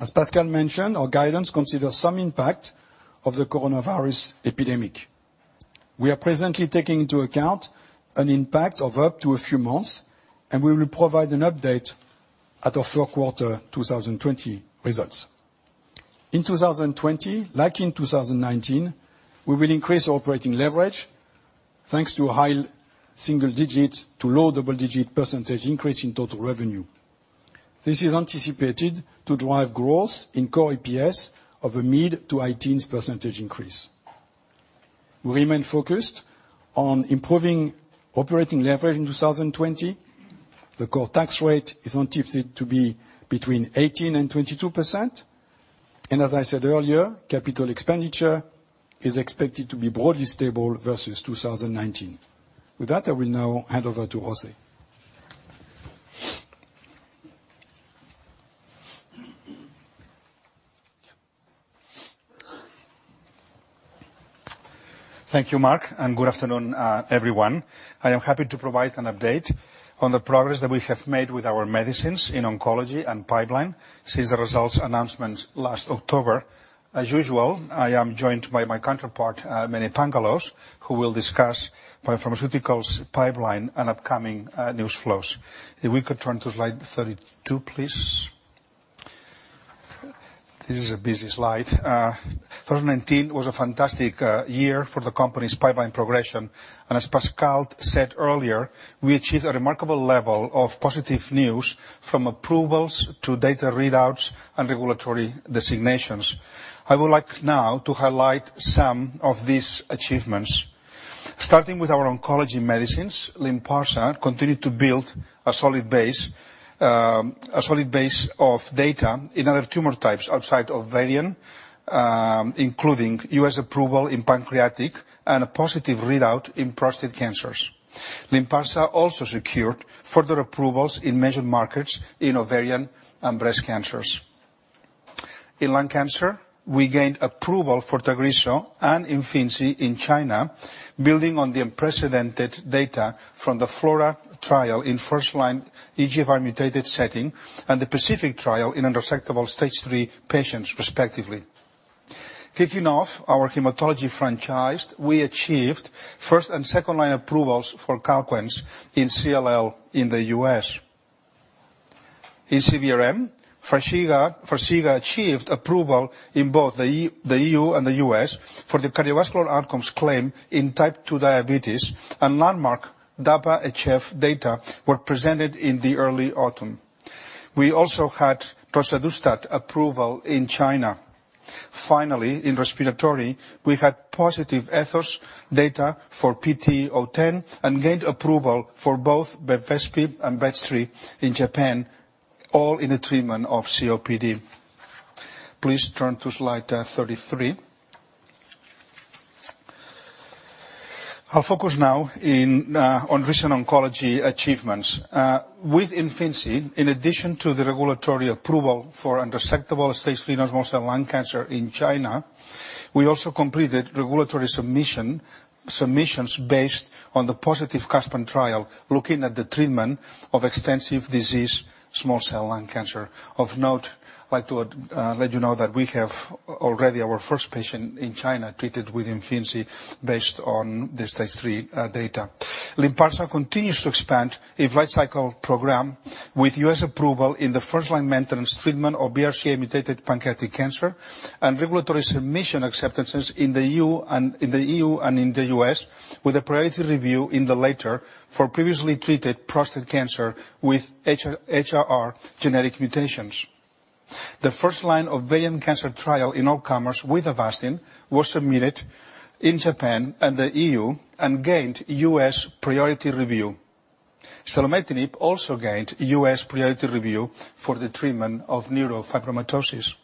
As Pascal mentioned, our guidance considers some impact of the coronavirus epidemic. We are presently taking into account an impact of up to a few months, and we will provide an update at our Q4 2020 results. In 2020, like in 2019, we will increase operating leverage, thanks to a high single-digit to low double-digit percentage increase in total revenue. This is anticipated to drive growth in core EPS of a mid to high teens percentage increase. We remain focused on improving operating leverage in 2020. The core tax rate is anticipated to be between 18% and 22%, and as I said earlier, capital expenditure is expected to be broadly stable versus 2019. With that, I will now hand over to José. Thank you, Marc. Good afternoon, everyone. I am happy to provide an update on the progress that we have made with our medicines in oncology and pipeline since the results announcement last October. As usual, I am joined by my counterpart, Mene Pangalos, who will discuss BioPharmaceuticals pipeline and upcoming news flows. If we could turn to slide 32, please. This is a busy slide. 2019 was a fantastic year for the company's pipeline progression, and as Pascal said earlier, we achieved a remarkable level of positive news from approvals to data readouts and regulatory designations. I would like now to highlight some of these achievements. Starting with our oncology medicines, Lynparza continued to build a solid base of data in other tumor types outside of ovarian, including U.S. approval in pancreatic and a positive readout in prostate cancers. Lynparza also secured further approvals in major markets in ovarian and breast cancers. In lung cancer, we gained approval for TAGRISSO and IMFINZI in China, building on the unprecedented data from the FLAURA trial in first-line EGFR-mutated setting and the PACIFIC trial in unresectable stage 3 patients respectively. Kicking off our hematology franchise, we achieved first and second-line approvals for CALQUENCE in CLL in the U.S. In CVRM, FARXIGA achieved approval in both the EU and the U.S. for the cardiovascular outcomes claim in type 2 diabetes, and landmark DAPA-HF data were presented in the early autumn. We also had roxadustat approval in China. Finally, in respiratory, we had positive ETHOS data for PT010 and gained approval for both Bevespi and Breztri in Japan, all in the treatment of COPD. Please turn to slide 33. I'll focus now on recent oncology achievements. With IMFINZI, in addition to the regulatory approval for unresectable stage 3 non-small cell lung cancer in China, we also completed regulatory submissions based on the positive CASPIAN trial, looking at the treatment of extensive disease, small cell lung cancer. Of note, I'd like to let you know that we have already our first patient in China treated with IMFINZI based on the stage 3 data. Lynparza continues to expand its life cycle program with U.S. approval in the first-line maintenance treatment of BRCA-mutated pancreatic cancer and regulatory submission acceptances in the EU and in the U.S., with a priority review in the latter for previously treated prostate cancer with HRR genetic mutations. The first line of ovarian cancer trial in all comers with Avastin was submitted in Japan and the EU and gained U.S. priority review. selumetinib also gained U.S. priority review for the treatment of neurofibromatosis.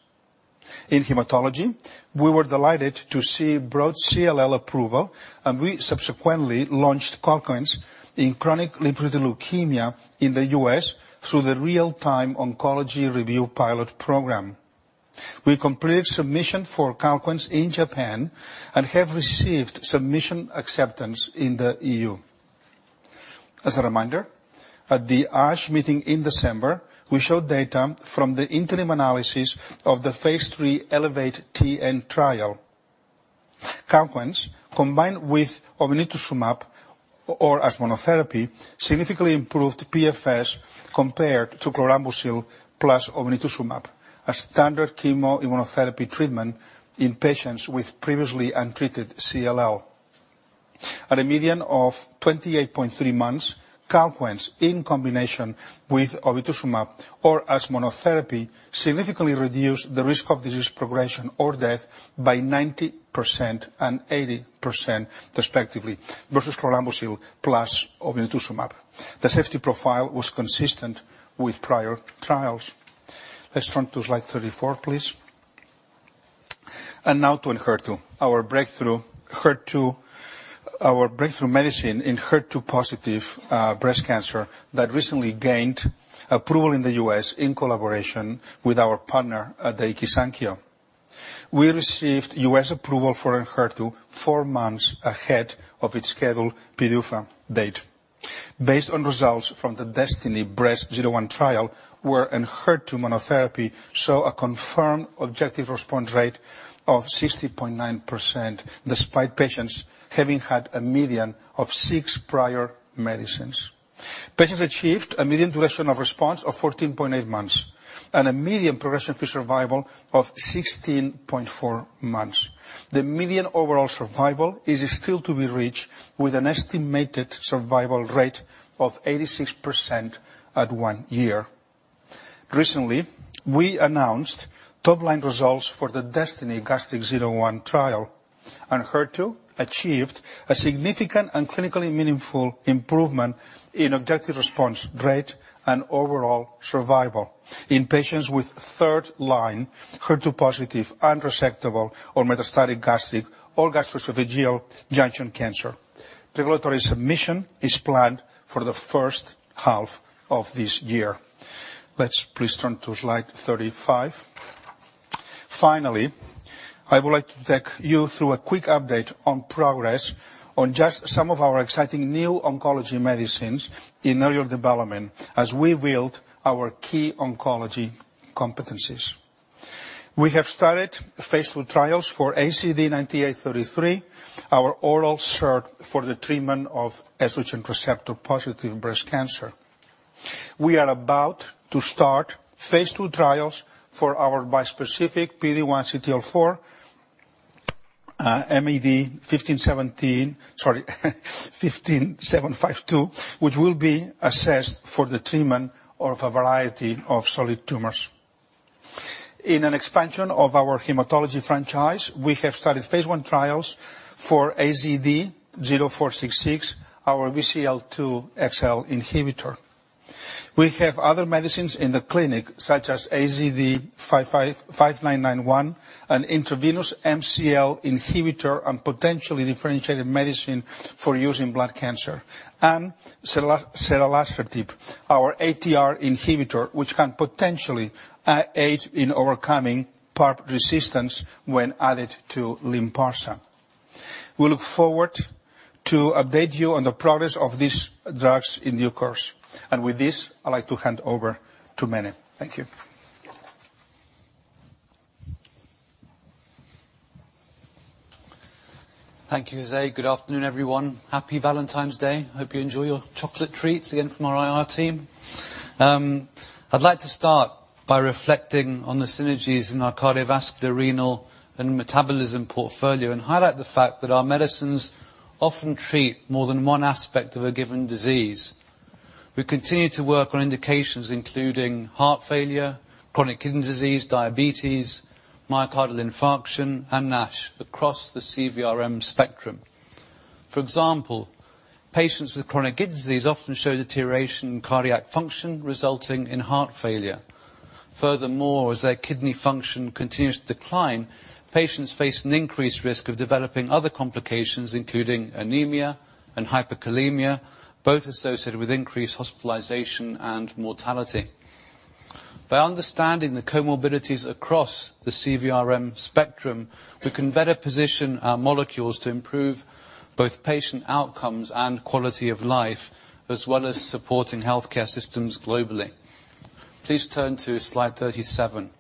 In hematology, we were delighted to see broad CLL approval. We subsequently launched CALQUENCE in chronic lymphocytic leukemia in the U.S. through the Real-Time Oncology Review pilot program. We completed submission for CALQUENCE in Japan and have received submission acceptance in the EU. As a reminder, at the ASH meeting in December, we showed data from the interim analysis of the phase III ELEVATE-TN trial. CALQUENCE, combined with obinutuzumab or as monotherapy, significantly improved PFS compared to chlorambucil plus obinutuzumab as standard chemoimmunotherapy treatment in patients with previously untreated CLL. At a median of 28.3 months, CALQUENCE in combination with obinutuzumab or as monotherapy significantly reduced the risk of disease progression or death by 90% and 80% respectively versus chlorambucil plus obinutuzumab. The safety profile was consistent with prior trials. Let's turn to slide 34, please. Now to ENHERTU, our breakthrough medicine in HER2-positive breast cancer that recently gained approval in the U.S. in collaboration with our partner at Daiichi Sankyo. We received U.S. approval for ENHERTU four months ahead of its scheduled PDUFA date. Based on results from the DESTINY-Breast01 trial, where ENHERTU monotherapy saw a confirmed objective response rate of 60.9%, despite patients having had a median of six prior medicines. Patients achieved a median duration of response of 14.8 months, and a median progression-free survival of 16.4 months. The median overall survival is still to be reached, with an estimated survival rate of 86% at one year. Recently, we announced top line results for the DESTINY-Gastric01 trial. ENHERTU achieved a significant and clinically meaningful improvement in objective response rate and overall survival in patients with third-line HER2-positive, unresectable or metastatic gastric or gastroesophageal junction cancer. Regulatory submission is planned for the H1 of this year. Let's please turn to slide 35. Finally, I would like to take you through a quick update on progress on just some of our exciting new oncology medicines in early development as we build our key oncology competencies. We have started phase II trials for AZD9833, our oral SERD for the treatment of estrogen receptor-positive breast cancer. We are about to start phase II trials for our bispecific PD-1/CTLA-4, MEDI5752, which will be assessed for the treatment of a variety of solid tumors. In an expansion of our hematology franchise, we have started phase I trials for AZD0466, our BCL-2/xL inhibitor. We have other medicines in the clinic, such as AZD5991, an intravenous MCL-1 inhibitor and potentially differentiated medicine for use in blood cancer. Ceralasertib, our ATR inhibitor, which can potentially aid in overcoming PARP resistance when added to Lynparza. We look forward to update you on the progress of these drugs in due course. With this, I'd like to hand over to Mene. Thank you. Thank you, José. Good afternoon, everyone. Happy Valentine's Day. Hope you enjoy your chocolate treats again from our IR team. I'd like to start by reflecting on the synergies in our Cardiovascular, Renal and Metabolism portfolio, and highlight the fact that our medicines often treat more than one aspect of a given disease. We continue to work on indications including heart failure, chronic kidney disease, diabetes, myocardial infarction, and NASH across the CVRM spectrum. For example, patients with chronic kidney disease often show deterioration in cardiac function, resulting in heart failure. Furthermore, as their kidney function continues to decline, patients face an increased risk of developing other complications, including anemia and hyperkalemia, both associated with increased hospitalization and mortality. By understanding the comorbidities across the CVRM spectrum, we can better position our molecules to improve both patient outcomes and quality of life, as well as supporting healthcare systems globally. Please turn to slide 37.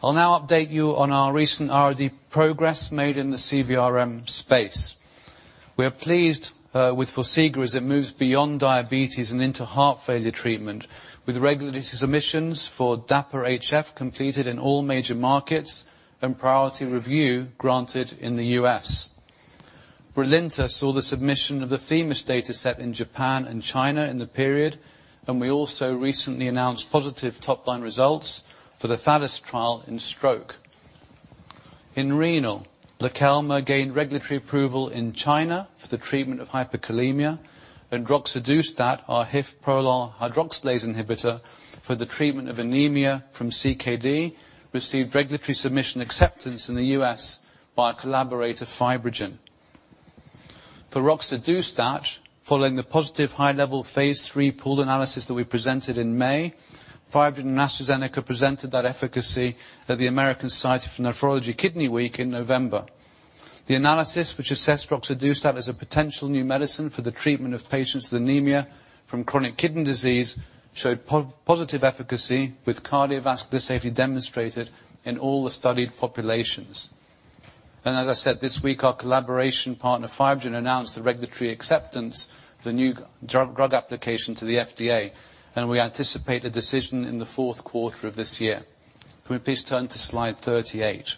I'll now update you on our recent R&D progress made in the CVRM space. We are pleased with Forxiga as it moves beyond diabetes and into heart failure treatment, with regulatory submissions for DAPA-HF completed in all major markets and priority review granted in the U.S. BRILINTA saw the submission of the THEMIS dataset in Japan and China in the period. We also recently announced positive top-line results for the THALES trial in stroke. In renal, Lokelma gained regulatory approval in China for the treatment of hypokalemia. Roxadustat, our HIF prolyl hydroxylase inhibitor for the treatment of anemia from CKD, received regulatory submission acceptance in the U.S. by our collaborator, FibroGen. For roxadustat, following the positive high-level phase III pool analysis that we presented in May, FibroGen and AstraZeneca presented that efficacy at the American Society of Nephrology Kidney Week in November. The analysis, which assessed roxadustat as a potential new medicine for the treatment of patients with anemia from chronic kidney disease, showed positive efficacy with cardiovascular safety demonstrated in all the studied populations. As I said, this week, our collaboration partner, FibroGen, announced the regulatory acceptance of the new drug application to the FDA, and we anticipate a decision in the Q4 of this year. Can we please turn to slide 38?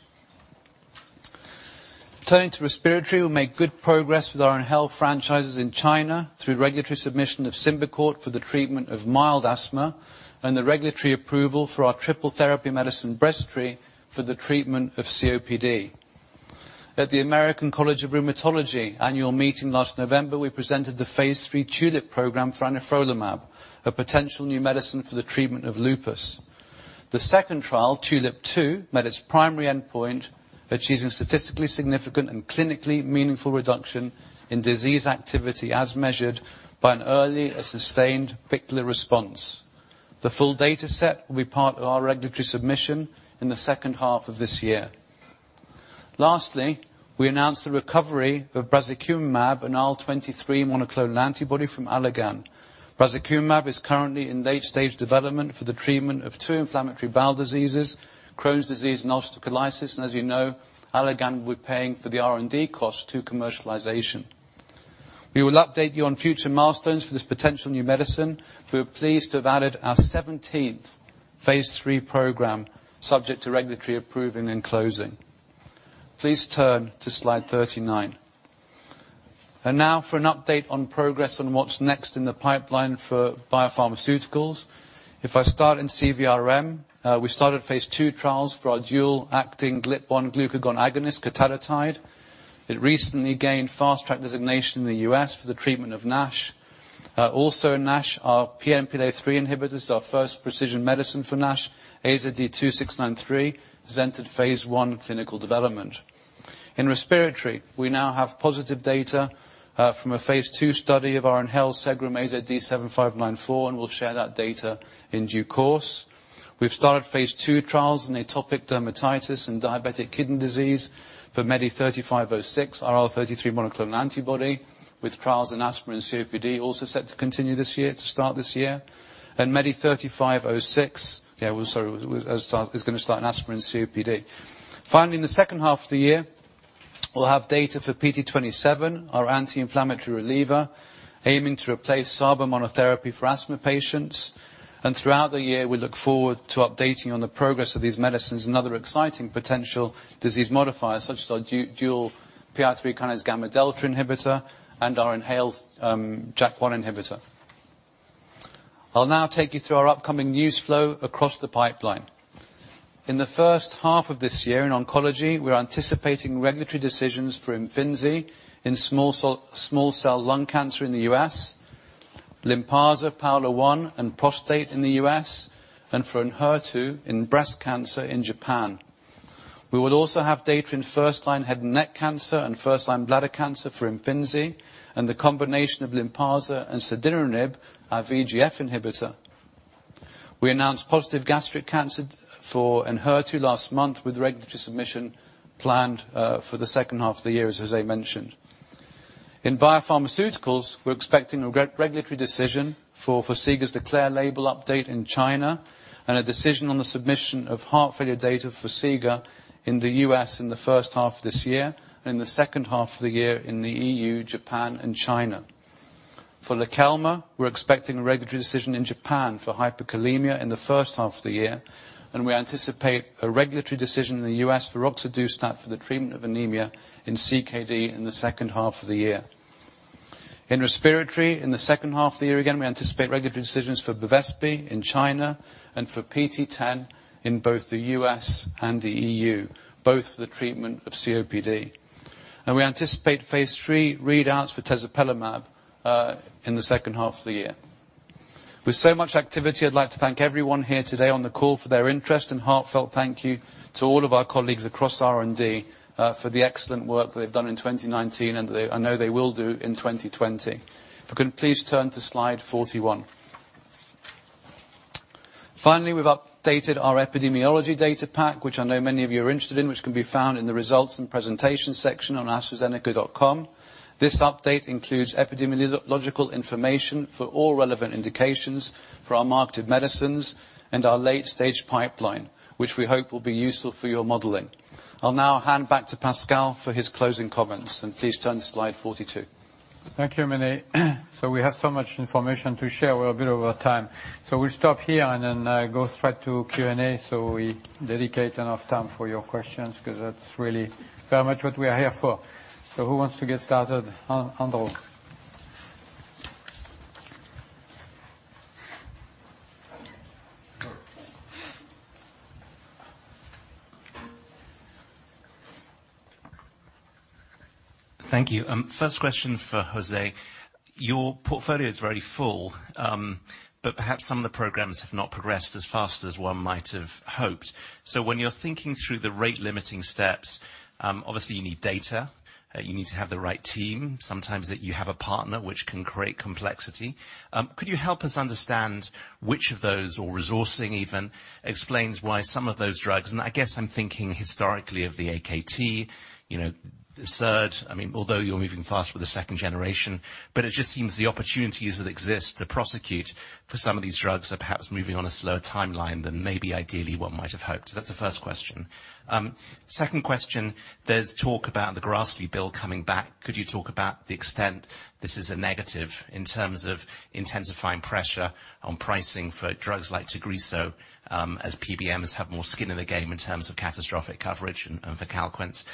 Turning to respiratory, we made good progress with our inhale franchises in China through regulatory submission of SYMBICORT for the treatment of mild asthma and the regulatory approval for our triple therapy medicine, Breztri, for the treatment of COPD. At the American College of Rheumatology annual meeting last November, we presented the phase III TULIP program for anifrolumab, a potential new medicine for the treatment of lupus. The second trial, TULIP 2, met its primary endpoint, achieving statistically significant and clinically meaningful reduction in disease activity, as measured by an early and sustained BICLA response. The full dataset will be part of our regulatory submission in the H2 of this year. We announced the recovery of brazikumab, an IL-23 monoclonal antibody from Allergan. brazikumab is currently in late stage development for the treatment of two inflammatory bowel diseases, Crohn's disease and ulcerative colitis. As you know, Allergan will be paying for the R&D cost to commercialization. We will update you on future milestones for this potential new medicine. We are pleased to have added our 17th phase III program, subject to regulatory approving and closing. Please turn to slide 39. Now for an update on progress on what's next in the pipeline for BioPharmaceuticals. If I start in CVRM, we started phase II trials for our dual-acting GLP-1 glucagon agonist, cotadutide. It recently gained Fast Track designation in the U.S. for the treatment of NASH. Also in NASH, our PNPLA3 inhibitors, our first precision medicine for NASH, AZD2693, has entered phase I clinical development. In respiratory, we now have positive data from a phase II study of our inhaled SGRM, AZD7594. We'll share that data in due course. We've started phase II trials in atopic dermatitis and diabetic kidney disease for MEDI3506, our IL-33 monoclonal antibody, with trials in asthma and COPD also set to continue this year, to start this year. MEDI3506, sorry, is going to start in asthma and COPD. Finally, in the H2 of the year, we'll have data for PT027, our anti-inflammatory reliever, aiming to replace SABA monotherapy for asthma patients. Throughout the year, we look forward to updating you on the progress of these medicines and other exciting potential disease modifiers such as our dual PI3 kinase gamma delta inhibitor and our inhaled JAK1 inhibitor. I'll now take you through our upcoming news flow across the pipeline. In the H1 of this year, in oncology, we're anticipating regulatory decisions for IMFINZI in small cell lung cancer in the U.S., Lynparza, PAOLA-1, and prostate in the U.S., and for ENHERTU in breast cancer in Japan. We will also have data in first-line head and neck cancer and first-line bladder cancer for IMFINZI and the combination of Lynparza and Selinexor, our VEGF inhibitor. We announced positive gastric cancer for ENHERTU last month with regulatory submission planned for the H2 of the year, as José mentioned. In biopharmaceuticals, we're expecting a regulatory decision for Forxiga's DECLARE label update in China and a decision on the submission of heart failure data for Forxiga in the U.S. in the H1 of this year, and in the H2 of the year in the EU, Japan, and China. For Lokelma, we're expecting a regulatory decision in Japan for hyperkalemia in H1 of the year, and we anticipate a regulatory decision in the U.S. for roxadustat for the treatment of anemia in CKD in the H2 of the year. In respiratory, in the H2 of the year, again, we anticipate regulatory decisions for Bevespi in China and for PT010 in both the U.S. and the EU, both for the treatment of COPD. We anticipate phase III readouts for Tezepelumab in the H2 of the year. With so much activity, I'd like to thank everyone here today on the call for their interest and heartfelt thank you to all of our colleagues across R&D for the excellent work that they've done in 2019 and that I know they will do in 2020. If you can please turn to slide 41. We've updated our epidemiology data pack, which I know many of you are interested in, which can be found in the results and presentation section on astrazeneca.com. This update includes epidemiological information for all relevant indications for our marketed medicines and our late stage pipeline, which we hope will be useful for your modeling. I'll now hand back to Pascal for his closing comments. Please turn to slide 42. Thank you, Mene. We have so much information to share. We're a bit over time. We'll stop here and then go straight to Q&A, so we dedicate enough time for your questions because that's really very much what we are here for. Who wants to get started? Andrew. Thank you. First question for José. Perhaps some of the programs have not progressed as fast as one might have hoped. When you're thinking through the rate limiting steps, obviously you need data, you need to have the right team, sometimes you have a partner which can create complexity. Could you help us understand which of those or resourcing even explains why some of those drugs, and I guess I'm thinking historically of the AKT, the third, although you're moving fast with the second generation, but it just seems the opportunities that exist to prosecute for some of these drugs are perhaps moving on a slower timeline than maybe ideally one might have hoped. That's the first question. Second question, there's talk about the Grassley bill coming back. Could you talk about the extent this is a negative in terms of intensifying pressure on pricing for drugs like TAGRISSO, as PBMs have more skin in the game in terms of catastrophic coverage and the CALQUENCE.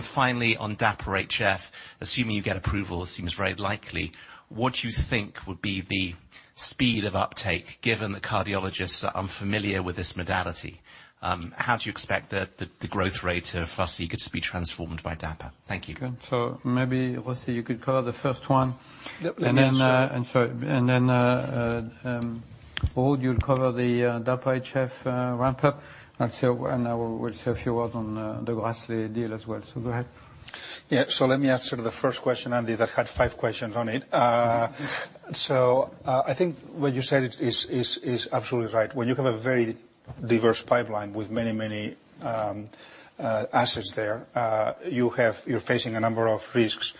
Finally on DAPA-HF, assuming you get approval, it seems very likely, what do you think would be the speed of uptake given that cardiologists are unfamiliar with this modality? How do you expect the growth rate of Forxiga to be transformed by DAPA? Thank you. Maybe José, you could cover the first one. Yep. Ruud, you'll cover the DAPA-HF ramp up. I will say a few words on the Grassley deal as well. Go ahead. Yeah. Let me answer the first question, Andy, that had five questions on it. I think what you said is absolutely right. When you have a very diverse pipeline with many assets there, you're facing a number of risks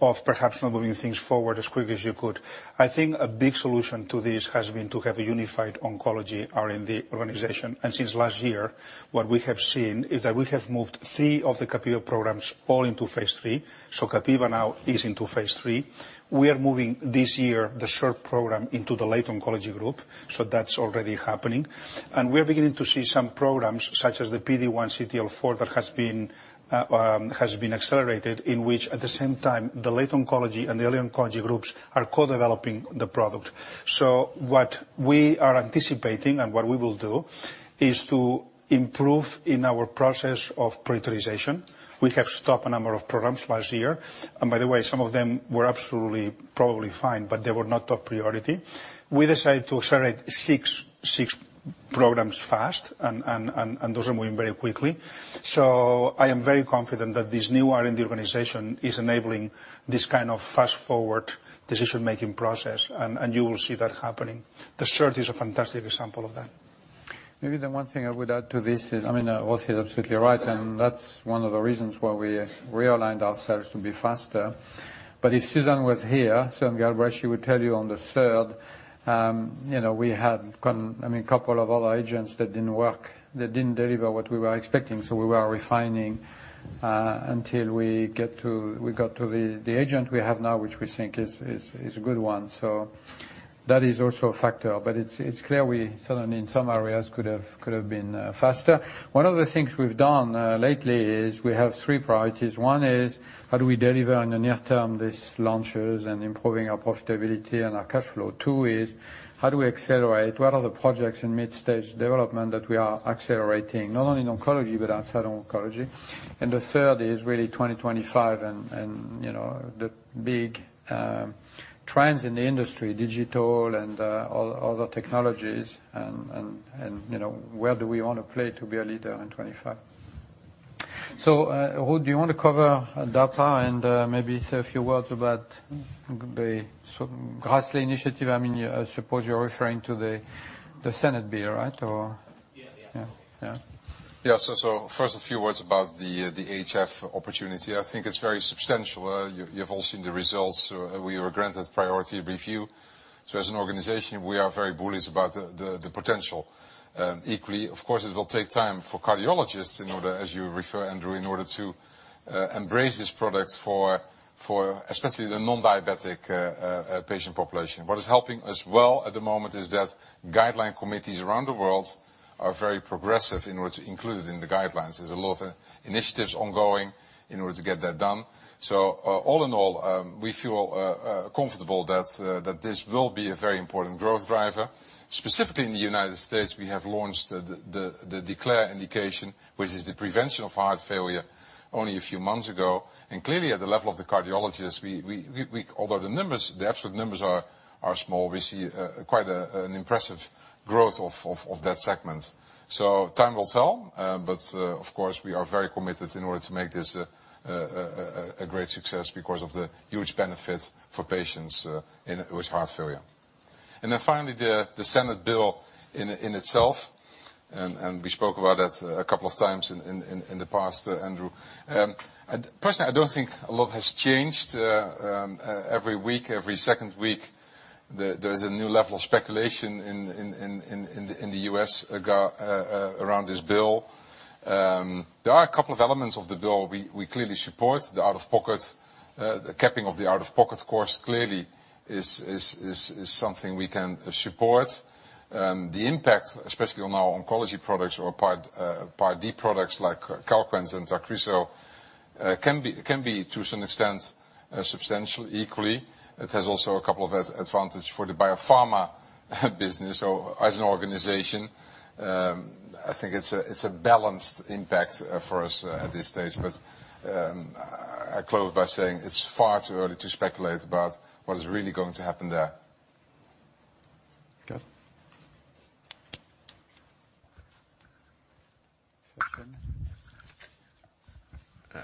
of perhaps not moving things forward as quickly as you could. I think a big solution to this has been to have a unified oncology R&D organization. Since last year, what we have seen is that we have moved three of the capivasertib programs all into phase III. Capivasertib now is into phase III. We are moving, this year, the SERD program into the late oncology group, so that's already happening. We are beginning to see some programs such as the PD-1/CTLA-4 that has been accelerated, in which at the same time, the late oncology and the early oncology groups are co-developing the product. What we are anticipating and what we will do is to improve in our process of prioritization. We have stopped a number of programs last year. By the way, some of them were absolutely probably fine, but they were not top priority. We decided to accelerate six programs fast, and those are moving very quickly. I am very confident that this new R&D organization is enabling this kind of fast-forward decision-making process, and you will see that happening. The SERD is a fantastic example of that. The one thing I would add to this is, José is absolutely right, that's one of the reasons why we realigned ourselves to be faster. If Susan was here, Susan Galbraith, she would tell you on the third, we had a couple of other agents that didn't work, that didn't deliver what we were expecting, we were refining until we got to the agent we have now, which we think is a good one. That is also a factor, it's clear we certainly in some areas could have been faster. One of the things we've done lately is we have three priorities. One is how do we deliver in the near term these launches and improving our profitability and our cash flow? Two is how do we accelerate? What are the projects in mid-stage development that we are accelerating, not only in oncology, but outside oncology. The third is really 2025 and the big trends in the industry, digital and other technologies, and where do we want to play to be a leader in 2025. Ruud, do you want to cover data and maybe say a few words about the Grassley initiative? I suppose you're referring to the Senate bill, right? Yeah? Yeah. First, a few words about the HF opportunity. I think it's very substantial. You've all seen the results. We were granted priority review. As an organization, we are very bullish about the potential. Equally, of course, it will take time for cardiologists in order, as you refer, Andrew, in order to embrace this product for especially the non-diabetic patient population. What is helping as well at the moment is that guideline committees around the world are very progressive in what's included in the guidelines. There's a lot of initiatives ongoing in order to get that done. All in all, we feel comfortable that this will be a very important growth driver. Specifically in the U.S., we have launched the DECLARE indication, which is the prevention of heart failure, only a few months ago. Clearly at the level of the cardiologists, although the absolute numbers are small, we see quite an impressive growth of that segment. Time will tell, but of course, we are very committed in order to make this a great success because of the huge benefits for patients with heart failure. Finally, the Senate bill in itself, and we spoke about that a couple of times in the past, Andrew. Personally, I don't think a lot has changed. Every week, every second week, there is a new level of speculation in the U.S. around this bill. There are a couple of elements of the bill we clearly support. The out-of-pocket, the capping of the out-of-pocket costs clearly is something we can support. The impact, especially on our oncology products or Part D products like CALQUENCE and TAGRISSO, can be, to some extent, substantial. Equally, it has also a couple of advantage for the biopharma business. As an organization, I think it's a balanced impact for us at this stage. I close by saying it's far too early to speculate about what is really going to happen there. Okay.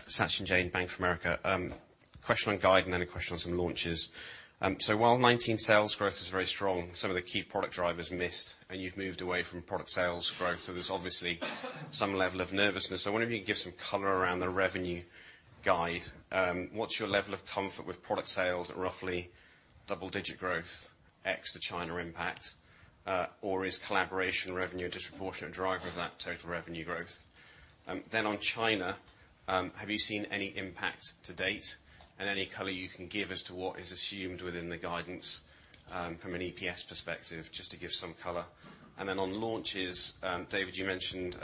Sachin? Question on guide, a question on some launches. While 2019 sales growth was very strong, some of the key product drivers missed. You've moved away from product sales growth. There's obviously some level of nervousness. I wonder if you can give some color around the revenue guide. What's your level of comfort with product sales at roughly double-digit growth, ex the China impact? Is collaboration revenue a disproportionate driver of that total revenue growth? On China, have you seen any impact to date? Any color you can give as to what is assumed within the guidance from an EPS perspective, just to give some color. On launches, Dave, you mentioned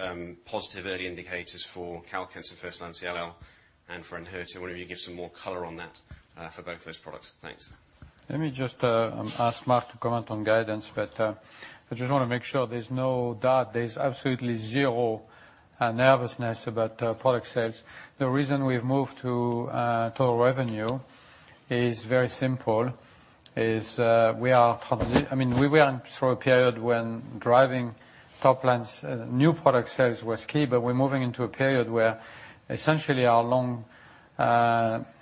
positive early indicators for CALQUENCE and first-line CLL and for ENHERTU. I wonder if you can give some more color on that for both those products. Thanks. Let me just ask Marc to comment on guidance. I just want to make sure there's no doubt there's absolutely zero nervousness about product sales. The reason we've moved to total revenue is very simple, is we went through a period when driving top lines, new product sales was key, but we're moving into a period where essentially our long-term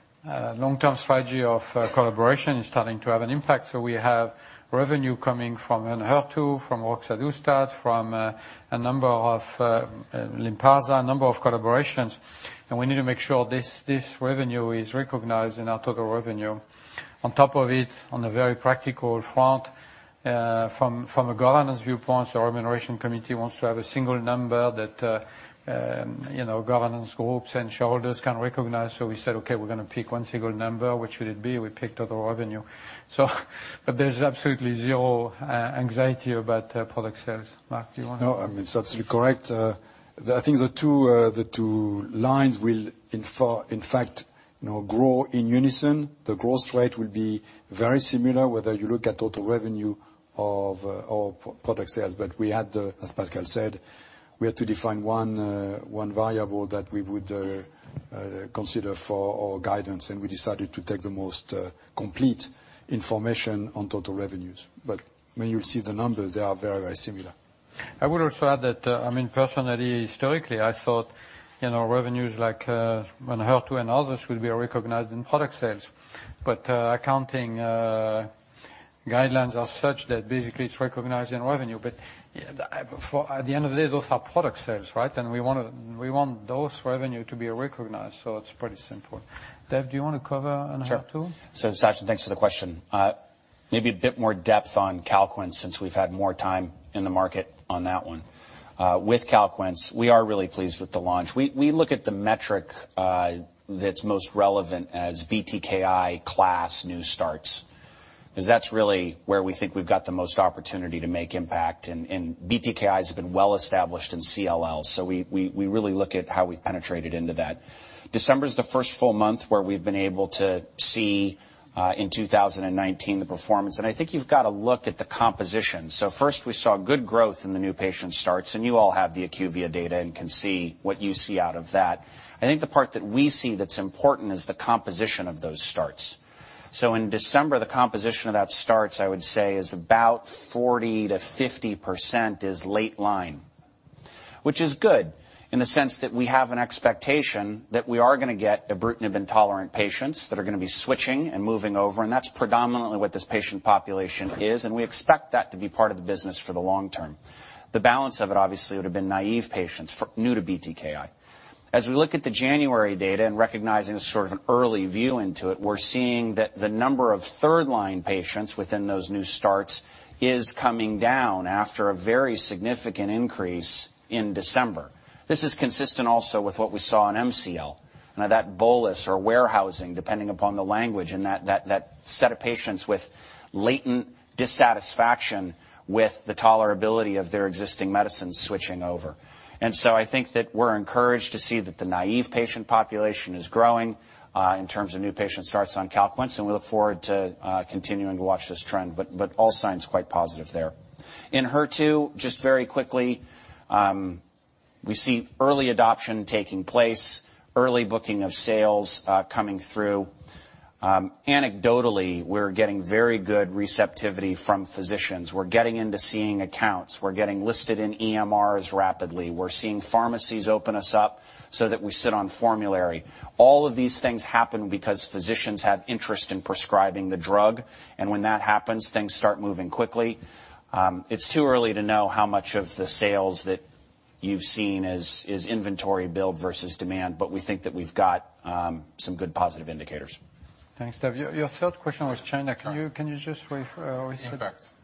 strategy of collaboration is starting to have an impact. We have revenue coming from Enhertu, from Roxadustat, from a number of Lynparza, a number of collaborations, and we need to make sure this revenue is recognized in our total revenue. On top of it, on a very practical front, from a governance viewpoint, our remuneration committee wants to have a single number that governance groups and shareholders can recognize. We said, Okay, we're going to pick one single number. Which should it be? We picked total revenue. But there's absolutely zero anxiety about product sales. Marc, do you want to? No, I mean, it's absolutely correct. I think the two lines will in fact now grow in unison. The growth rate will be very similar whether you look at total revenue or product sales. We had to, as Pascal said, we had to define one variable that we would consider for our guidance, and we decided to take the most complete information on total revenues. When you see the numbers, they are very similar. I would also add that, I mean, personally, historically, I thought revenues like when Enhertu and others will be recognized in product sales. Accounting guidelines are such that basically it's recognized in revenue. At the end of the day, those are product sales, right? We want those revenue to be recognized, it's pretty simple. Dave, do you want to cover Enhertu? Sure. Sachin, thanks for the question. Maybe a bit more depth on CALQUENCE since we've had more time in the market on that one. With CALQUENCE, we are really pleased with the launch. We look at the metric that's most relevant as BTKi class new starts, because that's really where we think we've got the most opportunity to make impact, and BTKi has been well-established in CLL. We really look at how we've penetrated into that. December is the first full month where we've been able to see in 2019 the performance, I think you've got to look at the composition. First we saw good growth in the new patient starts, and you all have the IQVIA data and can see what you see out of that. I think the part that we see that's important is the composition of those starts. In December, the composition of that starts, I would say, is about 40%-50% is late line. Which is good in the sense that we have an expectation that we are going to get ibrutinib-intolerant patients that are going to be switching and moving over, and that's predominantly what this patient population is, and we expect that to be part of the business for the long term. The balance of it, obviously, would have been naive patients, new to BTKi. As we look at the January data and recognizing a sort of an early view into it, we're seeing that the number of third-line patients within those new starts is coming down after a very significant increase in December. This is consistent also with what we saw in MCL. Now that bolus or warehousing, depending upon the language, that set of patients with latent dissatisfaction with the tolerability of their existing medicine switching over. I think that we're encouraged to see that the naive patient population is growing, in terms of new patient starts on CALQUENCE, and we look forward to continuing to watch this trend. All signs quite positive there. In HER2, just very quickly, we see early adoption taking place, early booking of sales coming through. Anecdotally, we're getting very good receptivity from physicians. We're getting into seeing accounts. We're getting listed in EMRs rapidly. We're seeing pharmacies open us up so that we sit on formulary All of these things happen because physicians have interest in prescribing the drug, and when that happens, things start moving quickly. It's too early to know how much of the sales that you've seen is inventory build versus demand, but we think that we've got some good positive indicators. Thanks, Dave. Your third question was China. Can you just refer? Impact.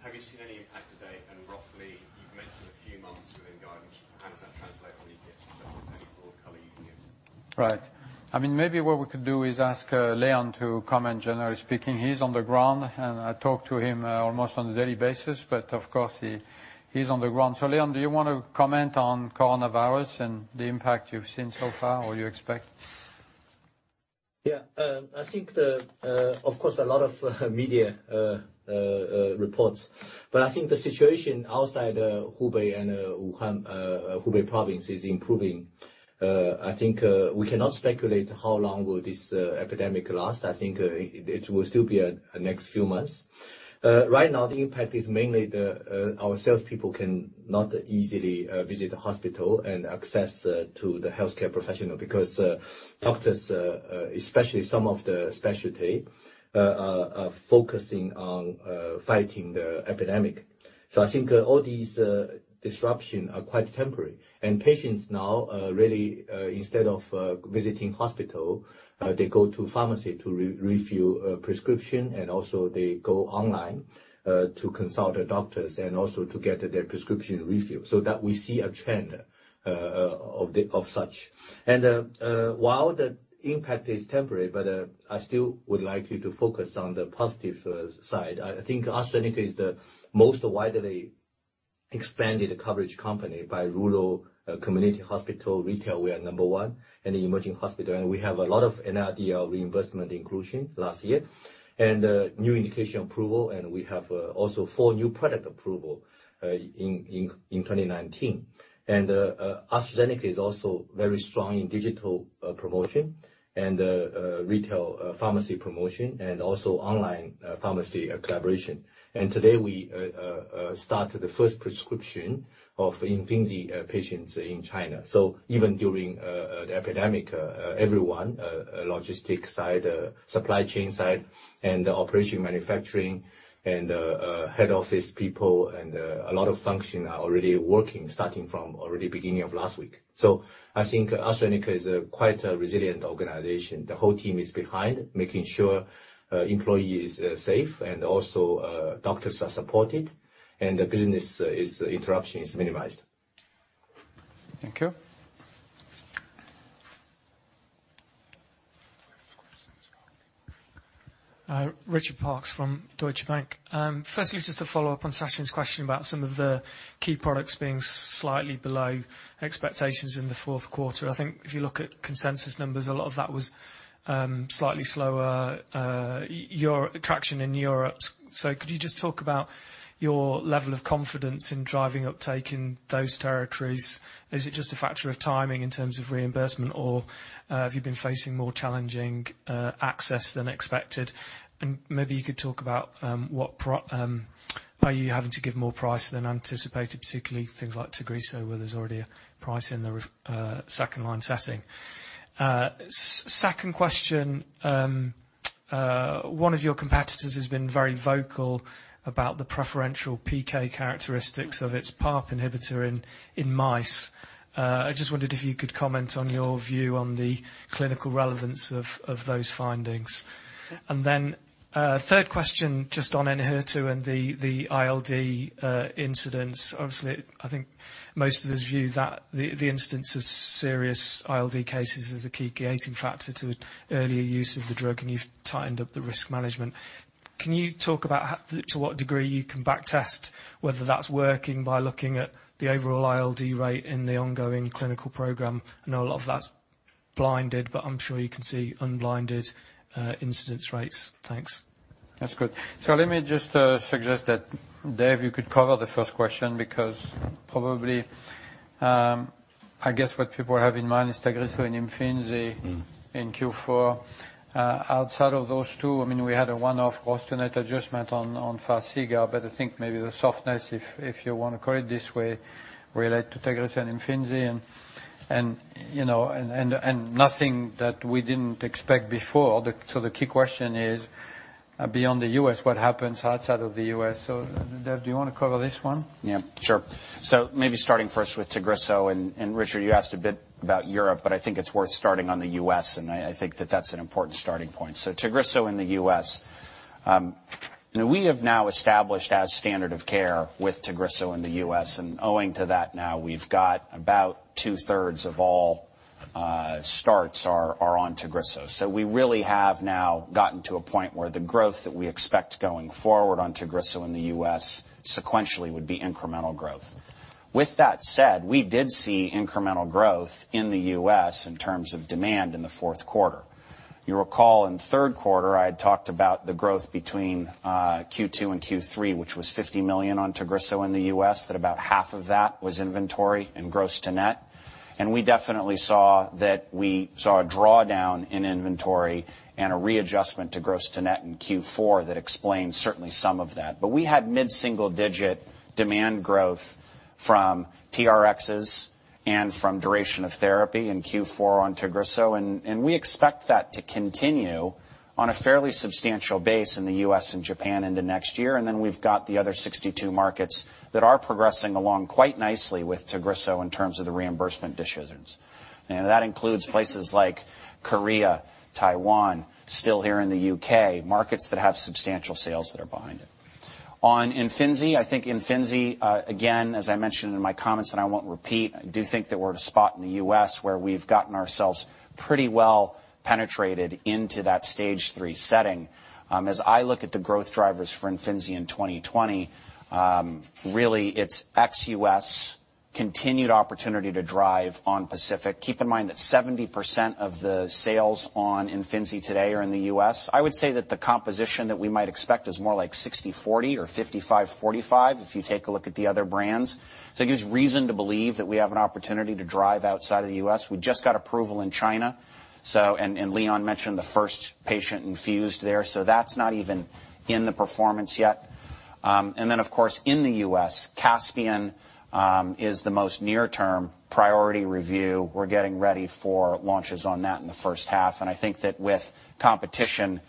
Right. Maybe what we could do is ask Leon to comment, generally speaking. He's on the ground, and I talk to him almost on a daily basis, but of course, he's on the ground. Leon, do you want to comment on coronavirus and the impact you've seen so far or you expect? Yeah. I think, of course, a lot of media reports. I think the situation outside Hubei and Wuhan, Hubei province is improving. I think we cannot speculate how long will this epidemic last. I think it will still be next few months. Right now, the impact is mainly our salespeople cannot easily visit the hospital and access to the healthcare professional because doctors, especially some of the specialty, are focusing on fighting the epidemic. I think all these disruption are quite temporary. Patients now really, instead of visiting hospital, they go to pharmacy to refill prescription, and also they go online to consult the doctors and also to get their prescription refilled. That we see a trend of such. While the impact is temporary, but I still would like you to focus on the positive side. I think AstraZeneca is the most widely expanded coverage company by rural community hospital retail. We are number one in the emerging hospital, and we have a lot of NRDL reimbursement inclusion last year. New indication approval, and we have also four new product approval in 2019. AstraZeneca is also very strong in digital promotion and retail pharmacy promotion and also online pharmacy collaboration. Today, we started the 1st prescription of IMFINZI patients in China. Even during the epidemic, everyone, logistic side, supply chain side, and the operation manufacturing and head office people and a lot of function are already working, starting from already beginning of last week. I think AstraZeneca is quite a resilient organization. The whole team is behind, making sure employee is safe and also doctors are supported and the business interruption is minimized. Thank you. I have a question as well. Richard Parkes from Deutsche Bank. Just to follow up on Sachin's question about some of the key products being slightly below expectations in Q4. I think if you look at consensus numbers, a lot of that was slightly slower traction in Europe. Could you just talk about your level of confidence in driving uptake in those territories? Is it just a factor of timing in terms of reimbursement, or have you been facing more challenging access than expected? Maybe you could talk about are you having to give more price than anticipated, particularly for things like TAGRISSO, where there's already a price in the second line setting. Second question. One of your competitors has been very vocal about the preferential PK characteristics of its PARP inhibitor in mice. I just wondered if you could comment on your view on the clinical relevance of those findings. Then third question just on ENHERTU and the ILD incidents. Obviously, I think most of us view that the instance of serious ILD cases is a key gating factor to earlier use of the drug, and you've tightened up the risk management. Can you talk about to what degree you can back test whether that's working by looking at the overall ILD rate in the ongoing clinical program? I know a lot of that's blinded, but I'm sure you can see unblinded incidence rates. Thanks. That's good. Let me just suggest that, Dave, you could cover the first question because probably, I guess what people have in mind is TAGRISSO and IMFINZI in Q4. Outside of those two, we had a one-off gross-to-net adjustment on FARXIGA, I think maybe the softness, if you want to call it this way, relate to TAGRISSO and IMFINZI and nothing that we didn't expect before. The key question is, beyond the U.S., what happens outside of the U.S.? Dave, do you want to cover this one? Yeah, sure. Maybe starting first with TAGRISSO, and Richard, you asked a bit about Europe, but I think it's worth starting on the U.S., and I think that that's an important starting point. TAGRISSO in the U.S. We have now established as standard of care with TAGRISSO in the U.S., and owing to that now, we've got about 2/3 of all starts are on TAGRISSO. We really have now gotten to a point where the growth that we expect going forward on TAGRISSO in the U.S. sequentially would be incremental growth. With that said, we did see incremental growth in the U.S. in terms of demand in Q4. You'll recall in theQ3, I had talked about the growth between Q2 and Q3, which was $50 million on TAGRISSO in the U.S., that about half of that was inventory and gross to net. We definitely saw that we saw a drawdown in inventory and a readjustment to gross to net in Q4 that explains certainly some of that. We had mid-single-digit demand growth from TRXs and from duration of therapy in Q4 on TAGRISSO, and we expect that to continue on a fairly substantial base in the U.S. and Japan into next year. We've got the other 62 markets that are progressing along quite nicely with TAGRISSO in terms of the reimbursement decisions. That includes places like Korea, Taiwan, still here in the U.K., markets that have substantial sales that are behind it. On IMFINZI, I think IMFINZI, again, as I mentioned in my comments, and I won't repeat, I do think that we're at a spot in the U.S. where we've gotten ourselves pretty well penetrated into that stage 3 setting. As I look at the growth drivers for IMFINZI in 2020, really it's ex-U.S., continued opportunity to drive on PACIFIC. Keep in mind that 70% of the sales on IMFINZI today are in the U.S. I would say that the composition that we might expect is more like 60/40 or 55/45 if you take a look at the other brands. It gives reason to believe that we have an opportunity to drive outside of the U.S. We just got approval in China. Leon mentioned the first patient infused there, that's not even in the performance yet. Of course, in the U.S., CASPIAN is the most near term priority review. We're getting ready for launches on that in the H1. I think that with competition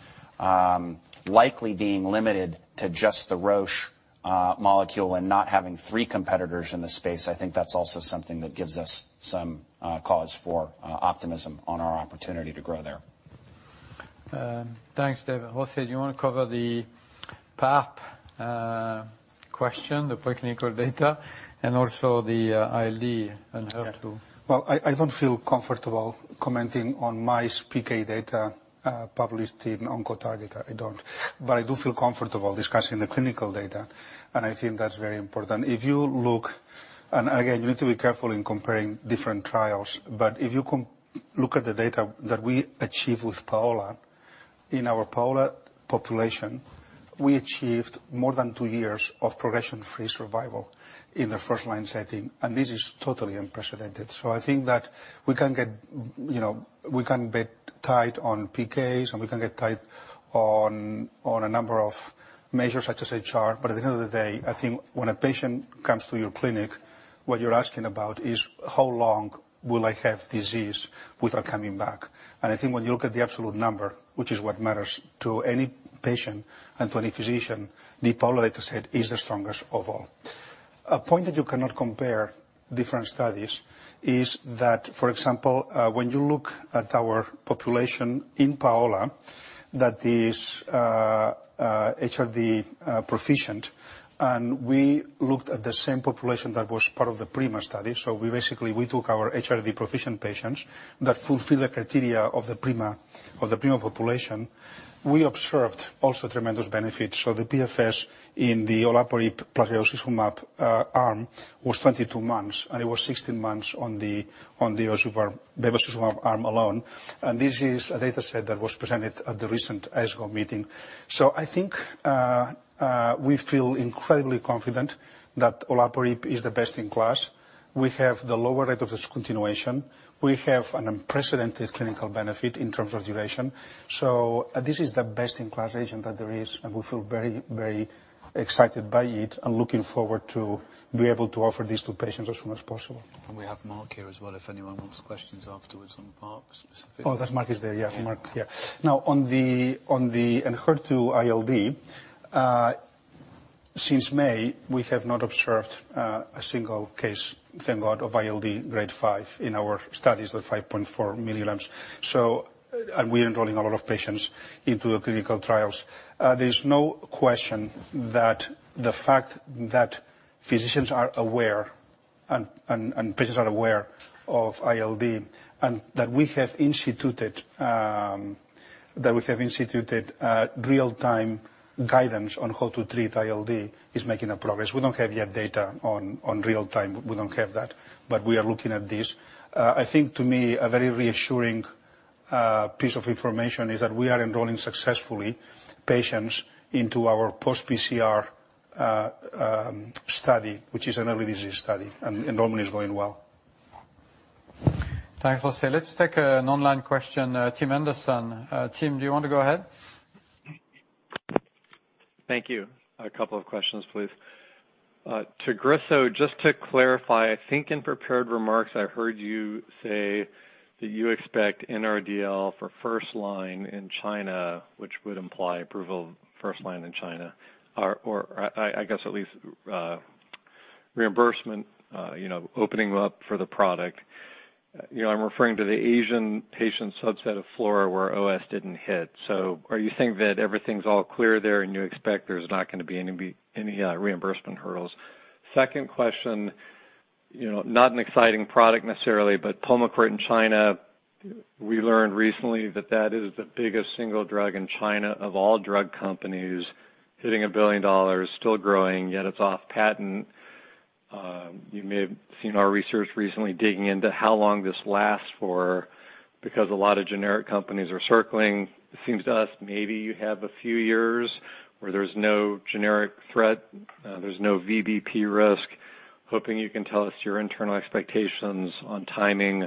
likely being limited to just the Roche molecule and not having three competitors in the space, I think that's also something that gives us some cause for optimism on our opportunity to grow there. Thanks, Dave. José, do you want to cover the PARP question, the preclinical data, and also the ILD and ENHERTU? Well, I don't feel comfortable commenting on mice PK data published in Oncotarget. I don't. I do feel comfortable discussing the clinical data, and I think that's very important. If you look, and again, you need to be careful in comparing different trials, but if you look at the data that we achieve with PAOLA, in our PAOLA population, we achieved more than two years of progression-free survival in the first line setting, and this is totally unprecedented. I think that we can get tight on PKs, and we can get tight on a number of measures, like let's say, PARP, but at the end of the day, I think when a patient comes to your clinic, what you're asking about is, how long will I have disease without coming back? I think when you look at the absolute number, which is what matters to any patient and to any physician, the [polatuzumab] is the strongest of all. A point that you cannot compare different studies is that, for example, when you look at our population in PAOLA-1, that is HRD proficient, and we looked at the same population that was part of the PRIMA study. Basically, we took our HRD proficient patients that fulfill the criteria of the PRIMA population. We observed also tremendous benefits. The PFS in the olaparib plus was 22 months, and it was 16 months on the [Oshupa] arm alone. This is a data set that was presented at the recent ASCO meeting. I think we feel incredibly confident that olaparib is the best in class. We have the lower rate of discontinuation. We have an unprecedented clinical benefit in terms of duration. This is the best-in-class agent that there is, and we feel very excited by it and looking forward to be able to offer this to patients as soon as possible. We have Marc here as well, if anyone wants questions afterwards on specifically. Oh, Marc is there. On the Enhertu ILD, since May, we have not observed a single case, thank God, of ILD grade 5 in our studies of 5.4 mg. We're enrolling a lot of patients into the clinical trials. There's no question that the fact that physicians are aware, and patients are aware of ILD, and that we have instituted real-time guidance on how to treat ILD is making a progress. We don't have yet data on real-time. We don't have that. We are looking at this. I think to me, a very reassuring piece of information is that we are enrolling successfully patients into our post-PCR study, which is an early disease study. Enrollment is going well. Thanks, José. Let's take an online question. Tim Anderson. Tim, do you want to go ahead? Thank you. A couple of questions, please. To José, just to clarify, I think in prepared remarks, I heard you say that you expect NRDL for first-line in China, which would imply approval of first-line in China, or I guess at least reimbursement, opening up for the product. I'm referring to the Asian patient subset of FLAURA where OS didn't hit. Are you saying that everything's all clear there, and you expect there's not going to be any reimbursement hurdles? Second question, not an exciting product necessarily, but Pulmicort in China, we learned recently that that is the biggest single drug in China of all drug companies, hitting $1 billion, still growing, yet it's off patent. You may have seen our research recently digging into how long this lasts for because a lot of generic companies are circling. It seems to us maybe you have a few years where there's no generic threat, there's no VBP risk. Hoping you can tell us your internal expectations on timing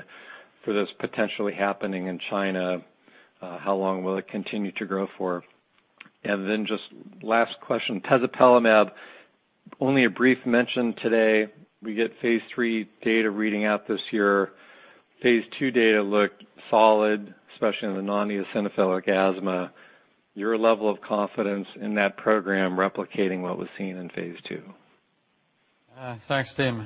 for this potentially happening in China. How long will it continue to grow for? Just last question, tezepelumab. Only a brief mention today. We get phase III data reading out this year. Phase II data looked solid, especially in the non-eosinophilic asthma. Your level of confidence in that program replicating what was seen in phase II. Thanks, Tim.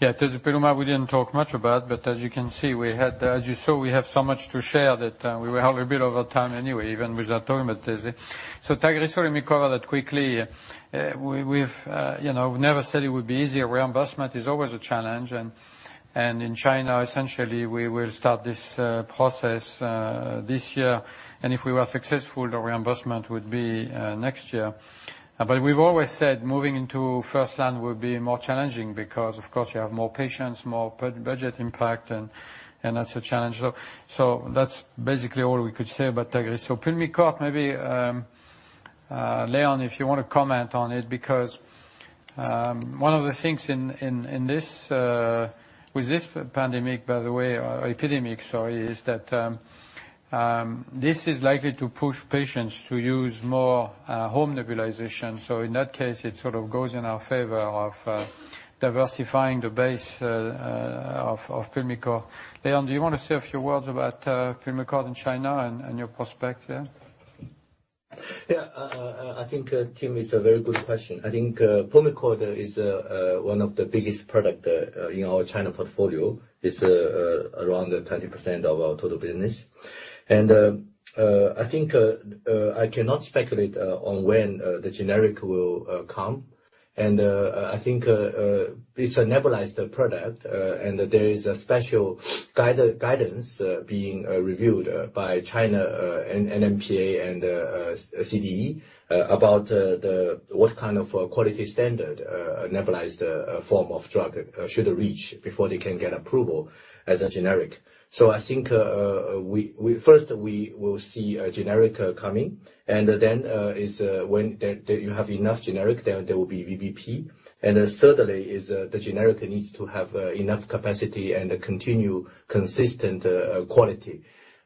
Tezepelumab, we didn't talk much about, as you can see, as you saw, we have so much to share that we were a little bit over time anyway, even without talking about tezepelumab. Tagrisso, let me cover that quickly. We've never said it would be easy. Reimbursement is always a challenge. In China, essentially, we will start this process this year. If we are successful, the reimbursement would be next year. We've always said moving into first line will be more challenging because, of course, you have more patients, more budget impact, and that's a challenge. That's basically all we could say about TAGRISSO. Pulmicort, maybe Leon, if you want to comment on it, because one of the things with this pandemic, by the way, epidemic, sorry, is that this is likely to push patients to use more home nebulization. In that case, it sort of goes in our favor of diversifying the base of Pulmicort. Leon, do you want to say a few words about Pulmicort in China and your prospects there? Yeah. I think, Tim, it's a very good question. I think Pulmicort is one of the biggest product in our China portfolio. It's around 20% of our total business. I think I cannot speculate on when the generic will come. I think it's a nebulized product, and there is a special guidance being reviewed by China, NMPA, and CDE about what kind of quality standard a nebulized form of drug should reach before they can get approval as a generic. I think first, we will see a generic coming, and then when you have enough generic, there will be VBP. Certainly, the generic needs to have enough capacity and continue consistent quality.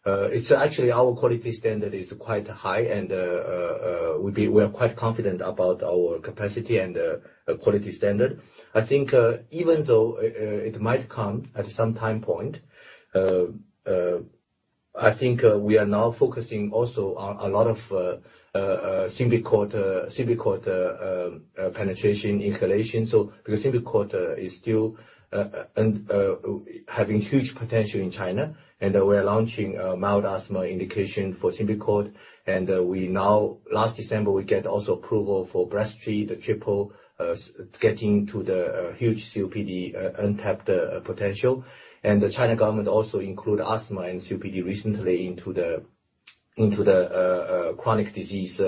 It's actually our quality standard is quite high and we're quite confident about our capacity and quality standard. I think even though it might come at some time point, I think we are now focusing also on a lot of Symbicort penetration inhalation. Symbicort is still having huge potential in China, we're launching mild asthma indication for Symbicort. Last December, we get also approval for Breztri, the triple, getting to the huge COPD untapped potential. The China government also include asthma and COPD recently into the chronic disease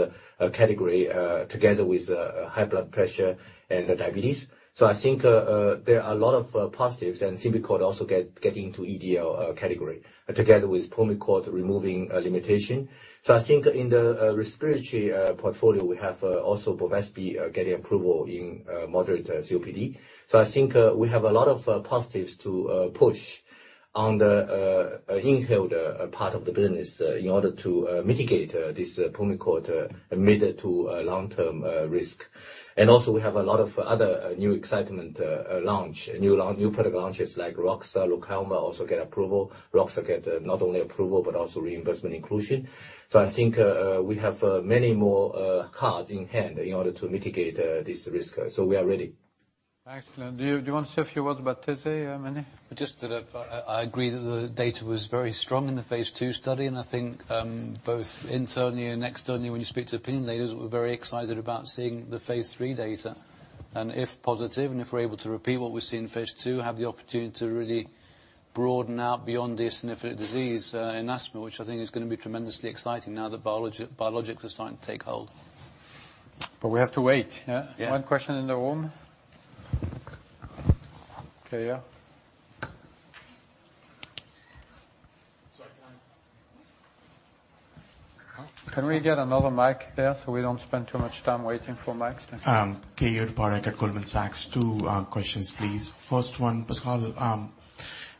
category, together with high blood pressure and diabetes. I think there are a lot of positives Symbicort also getting into EDL category together with Pulmicort removing limitation. I think in the respiratory portfolio, we have also Bevespi getting approval in moderate COPD. I think we have a lot of positives to push on the inhaled part of the business in order to mitigate this Pulmicort mid to long-term risk. Also, we have a lot of other new excitement launch, new product launches like Roxa, Lokelma also get approval. Roxa get not only approval but also reimbursement inclusion. I think we have many more cards in hand in order to mitigate this risk. We are ready. Excellent. Do you want to say a few words about this, Mene? Just that I agree that the data was very strong in the phase II study. I think both internally and externally, when you speak to opinion leaders, we're very excited about seeing the phase III data. If positive, and if we're able to repeat what we see in phase II, have the opportunity to really broaden out beyond this significant disease in asthma, which I think is going to be tremendously exciting now that biologics are starting to take hold. We have to wait, yeah? Yeah. One question in the room. Okay, yeah. Can we get another mic there so we don't spend too much time waiting for mics? Thank you. Keyur Parekh at Goldman Sachs. Two questions, please. First one, Pascal,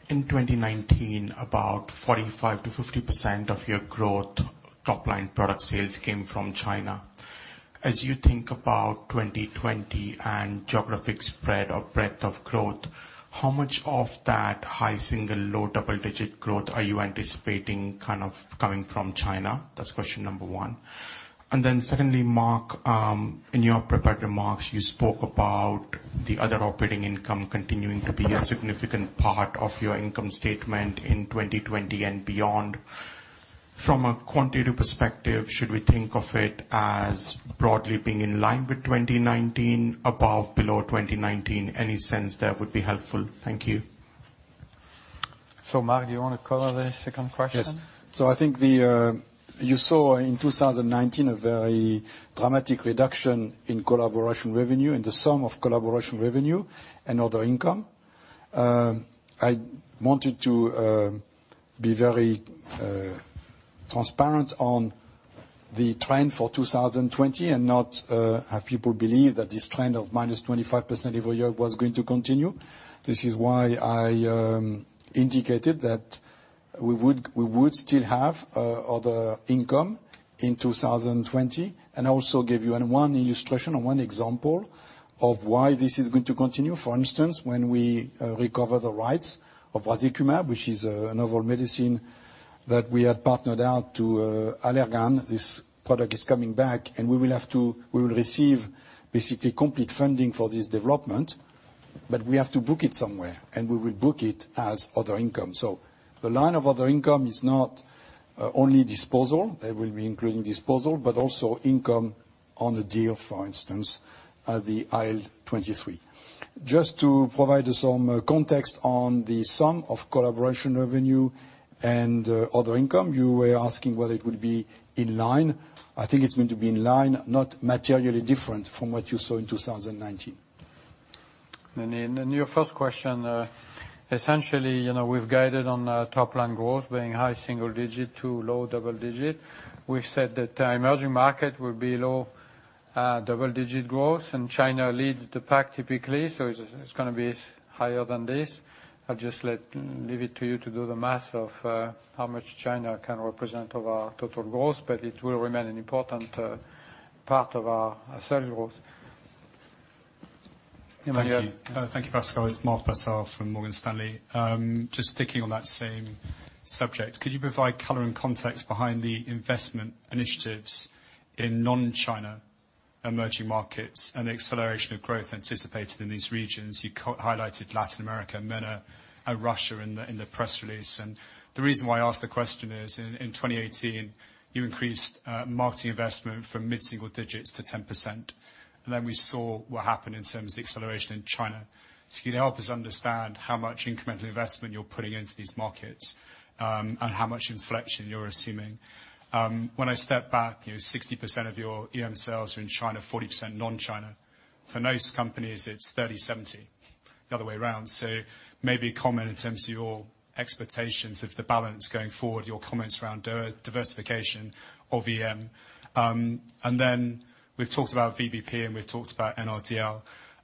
in 2019, about 45%-50% of your growth top line product sales came from China. As you think about 2020 and geographic spread or breadth of growth, how much of that high single, low double-digit growth are you anticipating kind of coming from China? That's question number one. Then secondly, Marc, in your prepared remarks, you spoke about the other operating income continuing to be a significant part of your income statement in 2020 and beyond. From a quantitative perspective, should we think of it as broadly being in line with 2019, above, below 2019? Any sense there would be helpful. Thank you. Marc, do you want to cover the second question? Yes. I think you saw in 2019, a very dramatic reduction in collaboration revenue and the sum of collaboration revenue and other income. I wanted to be very transparent on the trend for 2020 and not have people believe that this trend of -25% every year was going to continue. This is why I indicated that we would still have other income in 2020. I also gave you one illustration or one example of why this is going to continue. For instance, when we recover the rights of brazikumab, which is an novel medicine that we had partnered out to Allergan. This product is coming back, and we will receive basically complete funding for this development. We have to book it somewhere, and we will book it as other income. The line of other income is not only disposal. It will be including disposal, but also income on the deal, for instance, the IL-23. Just to provide some context on the sum of collaboration revenue and other income, you were asking whether it would be in line. I think it's going to be in line, not materially different from what you saw in 2019. In your first question, essentially, we've guided on top line growth being high single digit to low double digit. We've said that emerging market will be low double-digit growth, and China leads the pack typically, so it's going to be higher than this. I'll just leave it to you to do the math of how much China can represent of our total growth, but it will remain an important part of our sales growth. Yeah, go ahead. Thank you, Pascal. It's Mark Purcell from Morgan Stanley. Just sticking on that same subject, could you provide color and context behind the investment initiatives in non-China. Emerging markets, acceleration of growth anticipated in these regions. You highlighted Latin America, MENA, and Russia in the press release. The reason why I asked the question is, in 2018, you increased marketing investment from mid-single digits to 10%. We saw what happened in terms of the acceleration in China. Can you help us understand how much incremental investment you're putting into these markets, and how much inflection you're assuming? When I step back, 60% of your EM sales are in China, 40% non-China. For most companies, it's 30/70, the other way around. Maybe comment in terms of your expectations of the balance going forward, your comments around diversification of EM. We've talked about VBP, and we've talked about NRDL.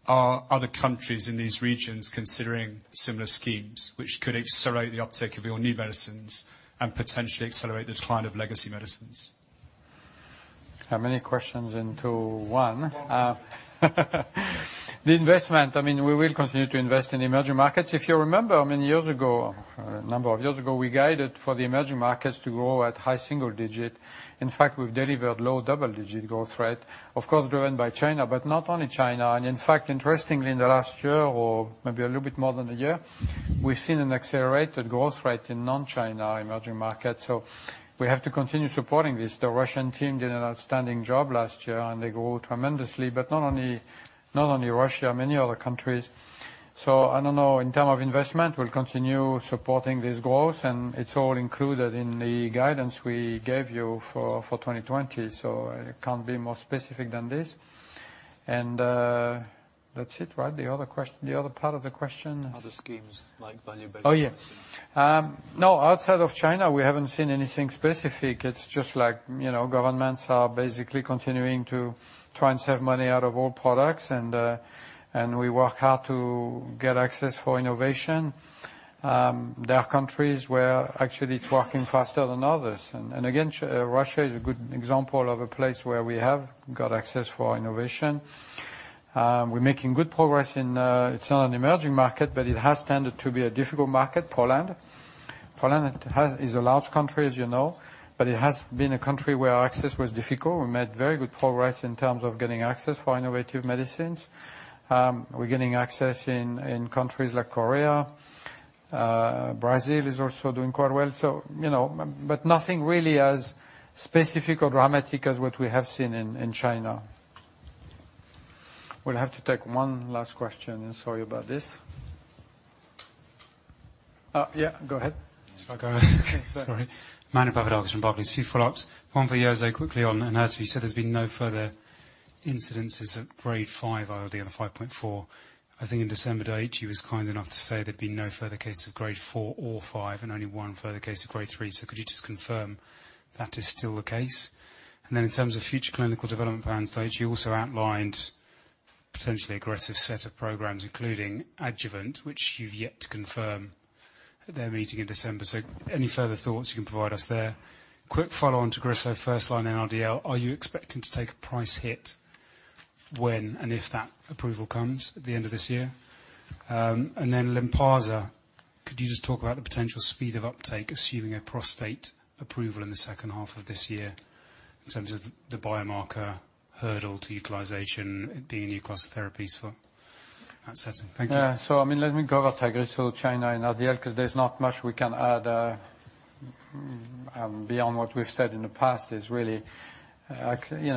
Are other countries in these regions considering similar schemes which could accelerate the uptake of your new medicines and potentially accelerate the decline of legacy medicines? How many questions into one? The investment, we will continue to invest in emerging markets. If you remember, a number of years ago, we guided for the emerging markets to grow at high single digit. In fact, we've delivered low double-digit growth rate, of course, driven by China, but not only China. In fact, interestingly, in the last year or maybe a little bit more than a year, we've seen an accelerated growth rate in non-China emerging markets. We have to continue supporting this. The Russian team did an outstanding job last year, and they grew tremendously. Not only Russia, many other countries. I don't know, in term of investment, we'll continue supporting this growth, and it's all included in the guidance we gave you for 2020, so I can't be more specific than this. That's it, right? The other part of the question? Other schemes like Value-Based Care. No, outside of China, we haven't seen anything specific. It's just governments are basically continuing to try and save money out of all products, and we work hard to get access for innovation. There are countries where actually it's working faster than others. Again, Russia is a good example of a place where we have got access for innovation. We're making good progress in, it's not an emerging market, but it has tended to be a difficult market, Poland. Poland is a large country, as you know, but it has been a country where access was difficult. We made very good progress in terms of getting access for innovative medicines. We're getting access in countries like Korea. Brazil is also doing quite well. Nothing really as specific or dramatic as what we have seen in China. We'll have to take one last question. Sorry about this. Yeah, go ahead. Shall I go ahead? Okay, sorry. Emmanuel Papadakis from Barclays. A few follow-ups. One for José, quickly on ENHERTU. You said there's been no further incidences of Grade 5 ILD on 5.4. I think in December, Daiichi was kind enough to say there'd been no further case of Grade 4 or 5 and only one further case of Grade 3. Could you just confirm that is still the case? In terms of future clinical development plans stage, you also outlined potentially aggressive set of programs, including adjuvant, which you've yet to confirm at their meeting in December. Any further thoughts you can provide us there? Quick follow-on TAGRISSO first-line NRDL. Are you expecting to take a price hit when and if that approval comes at the end of this year? Lynparza, could you just talk about the potential speed of uptake, assuming a prostate approval in the H2 of this year in terms of the biomarker hurdle to utilization being new class of therapies for that setting? Thank you. Yeah. Let me go over TAGRISSO China NRDL, because there's not much we can add beyond what we've said in the past. It is really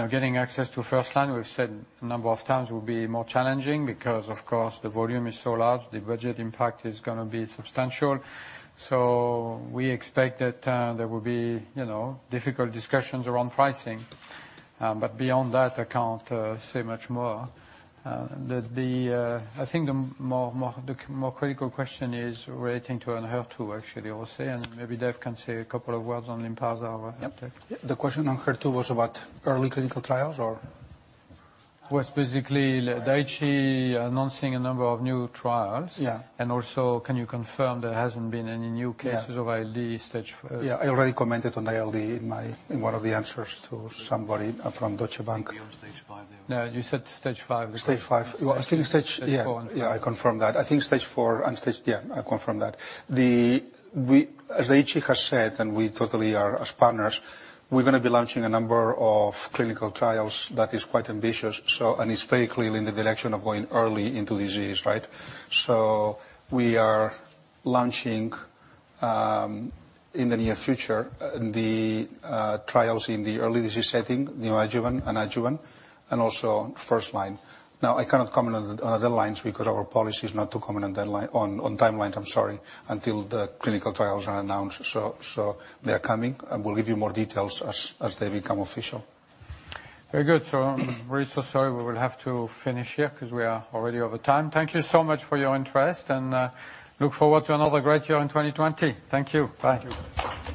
getting access to first line, we've said a number of times will be more challenging because, of course, the volume is so large, the budget impact is going to be substantial. We expect that there will be difficult discussions around pricing. Beyond that, I can't say much more. I think the more critical question is relating to ENHERTU, actually, José, and maybe Dave can say a couple of words on Lynparza. Yep. The question on ENHERTU was about early clinical trials or? Was basically Daiichi announcing a number of new trials. Yeah. Also, can you confirm there hasn't been any new cases of ILD stage 4? Yeah. I already commented on ILD in one of the answers to somebody from Deutsche Bank. Maybe on stage 5 there. No, you said stage 5. Stage 5. I think. Stage 4 and 5. Yeah, I confirm that. As Daiichi has said, and we totally are as partners, we're going to be launching a number of clinical trials that is quite ambitious, and it's very clearly in the direction of going early into disease, right? We are launching, in the near future, the trials in the early disease setting, neoadjuvant, adjuvant and also first line. Now, I cannot comment on the timelines because our policy is not to comment on timelines until the clinical trials are announced. They're coming, and we'll give you more details as they become official. Very good. I'm really so sorry. We will have to finish here because we are already over time. Thank you so much for your interest, and look forward to another great year in 2020. Thank you. Bye. Thank you.